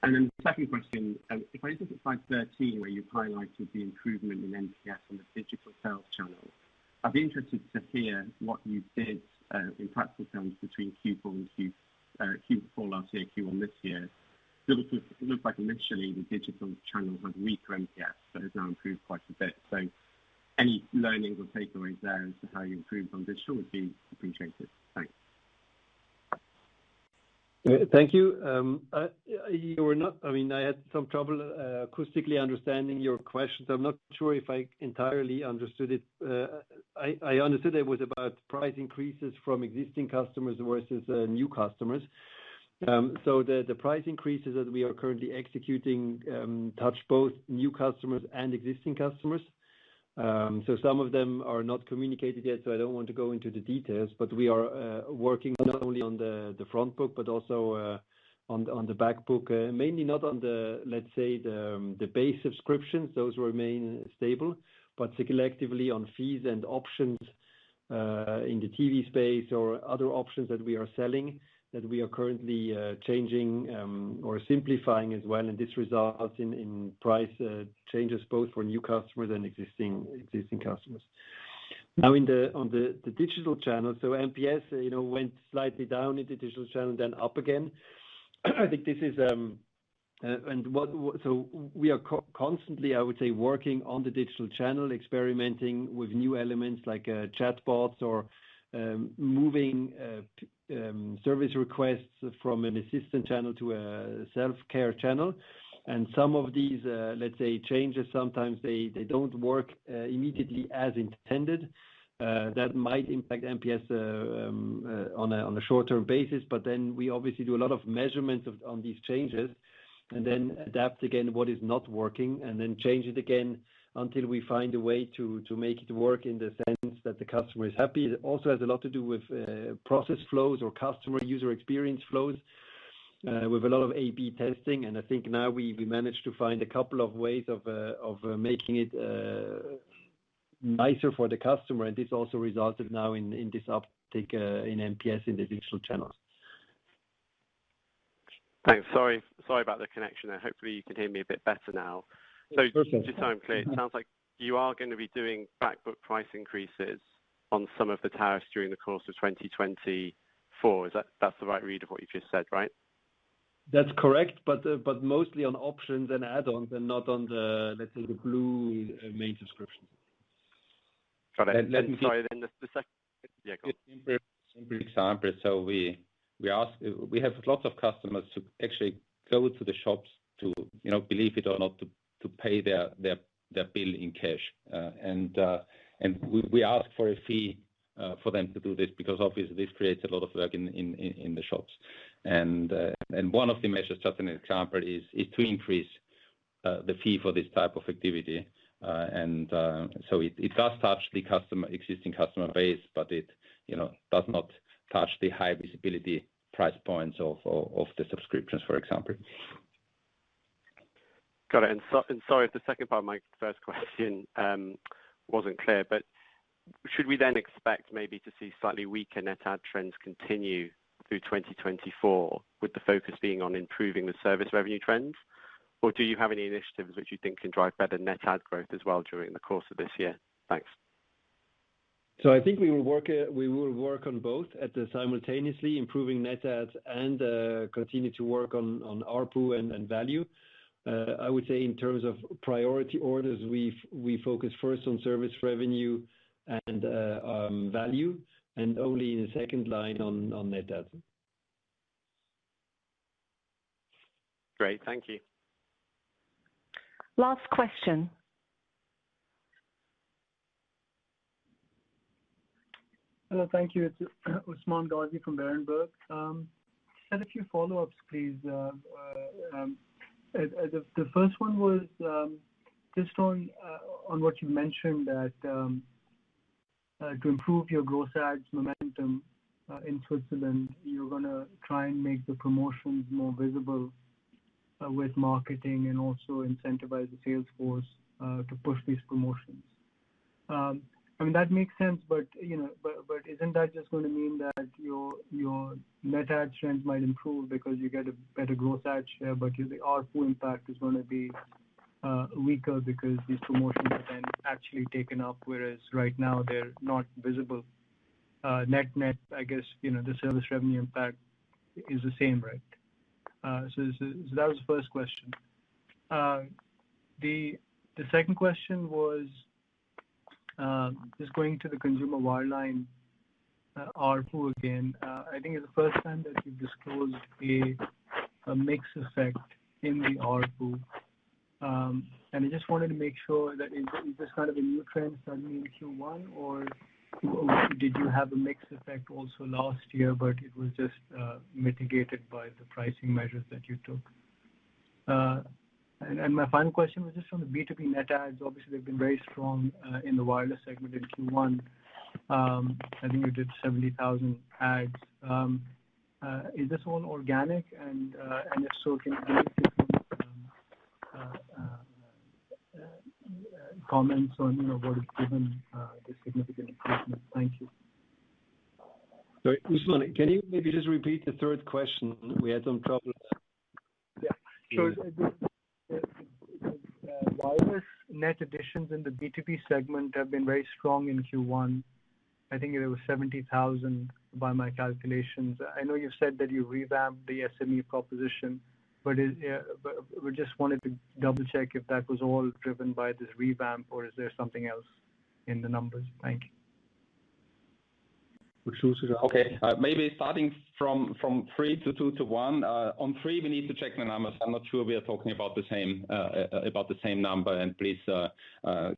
Then the second question, if I look at slide 13 where you've highlighted the improvement in NPS on the digital sales channel, I'd be interested to hear what you did in practical terms between Q4 and Q4 last year, Q1 this year. So it looked like initially, the digital channel had weaker NPS, but it's now improved quite a bit. So any learnings or takeaways there as to how you improved on digital would be appreciated. Thanks. Thank you. I mean, I had some trouble acoustically understanding your question. I'm not sure if I entirely understood it. I understood it was about price increases from existing customers versus new customers. The price increases that we are currently executing touch both new customers and existing customers. Some of them are not communicated yet. I don't want to go into the details. But we are working not only on the front book, but also on the back book, mainly not on, let's say, the base subscriptions. Those remain stable. But selectively on fees and options in the TV space or other options that we are selling that we are currently changing or simplifying as well. And this results in price changes both for new customers and existing customers. Now, on the digital channel, NPS went slightly down in the digital channel, then up again. I think this is, and so we are constantly, I would say, working on the digital channel, experimenting with new elements like chatbots or moving service requests from an assistant channel to a self-care channel. Some of these, let's say, changes, sometimes they don't work immediately as intended. That might impact NPS on a short-term basis. Then we obviously do a lot of measurements on these changes and then adapt again what is not working and then change it again until we find a way to make it work in the sense that the customer is happy. It also has a lot to do with process flows or customer user experience flows with a lot of A/B testing. I think now we managed to find a couple of ways of making it nicer for the customer. This also resulted now in this uptick in NPS in the digital channels. Thanks. Sorry about the connection there. Hopefully, you can hear me a bit better now. So just so I'm clear, it sounds like you are going to be doing backbook price increases on some of the tariffs during the course of 2024. That's the right read of what you've just said, right? That's correct. But mostly on options and add-ons and not on, let's say, the blue main subscriptions. Got it. And sorry, then the second yeah, go on. Simple example. So we have lots of customers who actually go to the shops to, believe it or not, to pay their bill in cash. And we ask for a fee for them to do this because obviously, this creates a lot of work in the shops. And one of the measures, just an example, is to increase the fee for this type of activity. And so it does touch the existing customer base, but it does not touch the high visibility price points of the subscriptions, for example. Got it. And sorry if the second part of my first question wasn't clear. But should we then expect maybe to see slightly weaker net add trends continue through 2024 with the focus being on improving the service revenue trends? Or do you have any initiatives which you think can drive better net add growth as well during the course of this year? Thanks. So I think we will work on both simultaneously, improving net adds and continue to work on ARPU and value. I would say in terms of priority orders, we focus first on service revenue and value and only in the second line on net adds. Great. Thank you. Last question. Hello. Thank you. It's Usman Ghazi from Berenberg. Set a few follow-ups, please. The first one was just on what you've mentioned that to improve your gross adds momentum in Switzerland, you're going to try and make the promotions more visible with marketing and also incentivize the sales force to push these promotions. I mean, that makes sense. But isn't that just going to mean that your net add trends might improve because you get a better gross add share? But the ARPU impact is going to be weaker because these promotions have been actually taken up, whereas right now, they're not visible. Net-net, I guess, the service revenue impact is the same, right? So that was the first question. The second question was just going to the consumer wireline, ARPU again. I think it's the first time that you've disclosed a mix effect in the ARPU. I just wanted to make sure that is this kind of a new trend suddenly in Q1? Or did you have a mix effect also last year, but it was just mitigated by the pricing measures that you took? My final question was just on the B2B net adds. Obviously, they've been very strong in the wireless segment in Q1. I think you did 70,000 adds. Is this all organic? And if so, can you give me a few comments on what has given this significant improvement? Thank you. Sorry, Usman, can you maybe just repeat the third question? We had some trouble there. Yeah. So wireless net additions in the B2B segment have been very strong in Q1. I think there were 70,000 by my calculations. I know you've said that you revamped the SME proposition. But we just wanted to double-check if that was all driven by this revamp, or is there something else in the numbers? Thank you. Okay. Maybe starting from 3 to 2 to 1. On 3, we need to check the numbers. I'm not sure we are talking about the same number. Please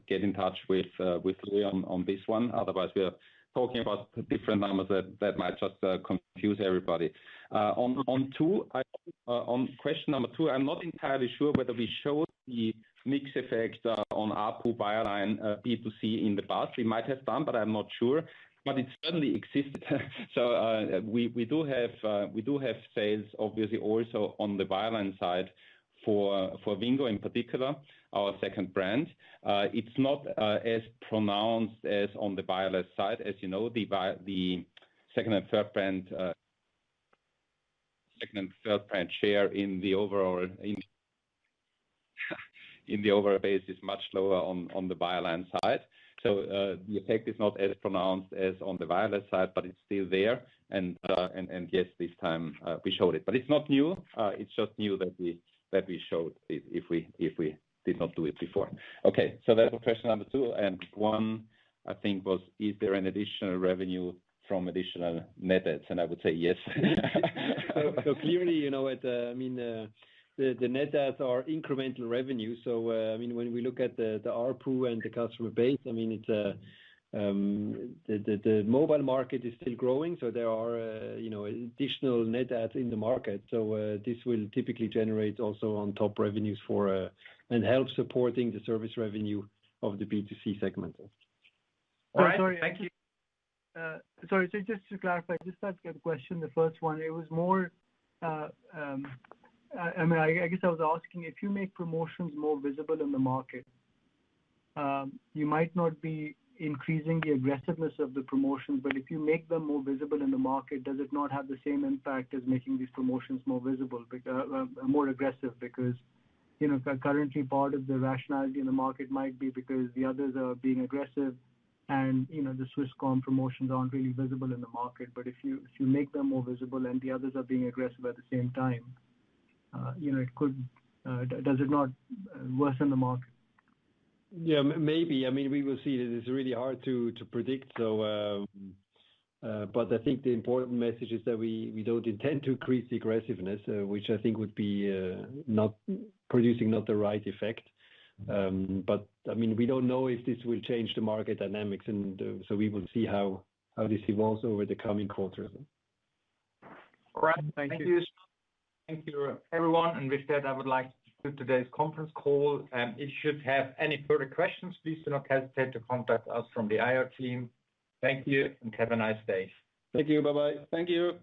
get in touch with Louis on this one. Otherwise, we are talking about different numbers that might just confuse everybody. On 2, on question number 2, I'm not entirely sure whether we showed the mix effect on ARPU wireline B2C in the past. We might have done, but I'm not sure. But it certainly existed. So we do have sales, obviously, also on the wireline side for Wingo in particular, our second brand. It's not as pronounced as on the wireless side. As you know, the second and third brand second and third brand share in the overall in the overall base is much lower on the wireline side. So the effect is not as pronounced as on the wireless side, but it's still there. And yes, this time, we showed it. But it's not new. It's just new that we showed it if we did not do it before. Okay. So that was question number two. And one, I think, was, is there an additional revenue from additional net adds? And I would say yes. So clearly, I mean, the net adds are incremental revenue. So I mean, when we look at the ARPU and the customer base, I mean, it's the mobile market is still growing. So there are additional net adds in the market. So this will typically generate also on-top revenues for and help supporting the service revenue of the B2C segment. All right. Thank you. Sorry. So just to clarify, just to ask a question, the first one, it was more I mean, I guess I was asking, if you make promotions more visible in the market, you might not be increasing the aggressiveness of the promotions. But if you make them more visible in the market, does it not have the same impact as making these promotions more visible, more aggressive? Because currently, part of the rationality in the market might be because the others are being aggressive, and the Swisscom promotions aren't really visible in the market. But if you make them more visible and the others are being aggressive at the same time, does it not worsen the market? Yeah, maybe. I mean, we will see. It is really hard to predict. But I think the important message is that we don't intend to increase the aggressiveness, which I think would be producing not the right effect. But I mean, we don't know if this will change the market dynamics. And so we will see how this evolves over the coming quarters. All right. Thank you. Thank you, Usman. Thank you, everyone. With that, I would like to conclude today's conference call. If you should have any further questions, please do not hesitate to contact us from the IR team. Thank you. Have a nice day. Thank you. Bye-bye. Thank you.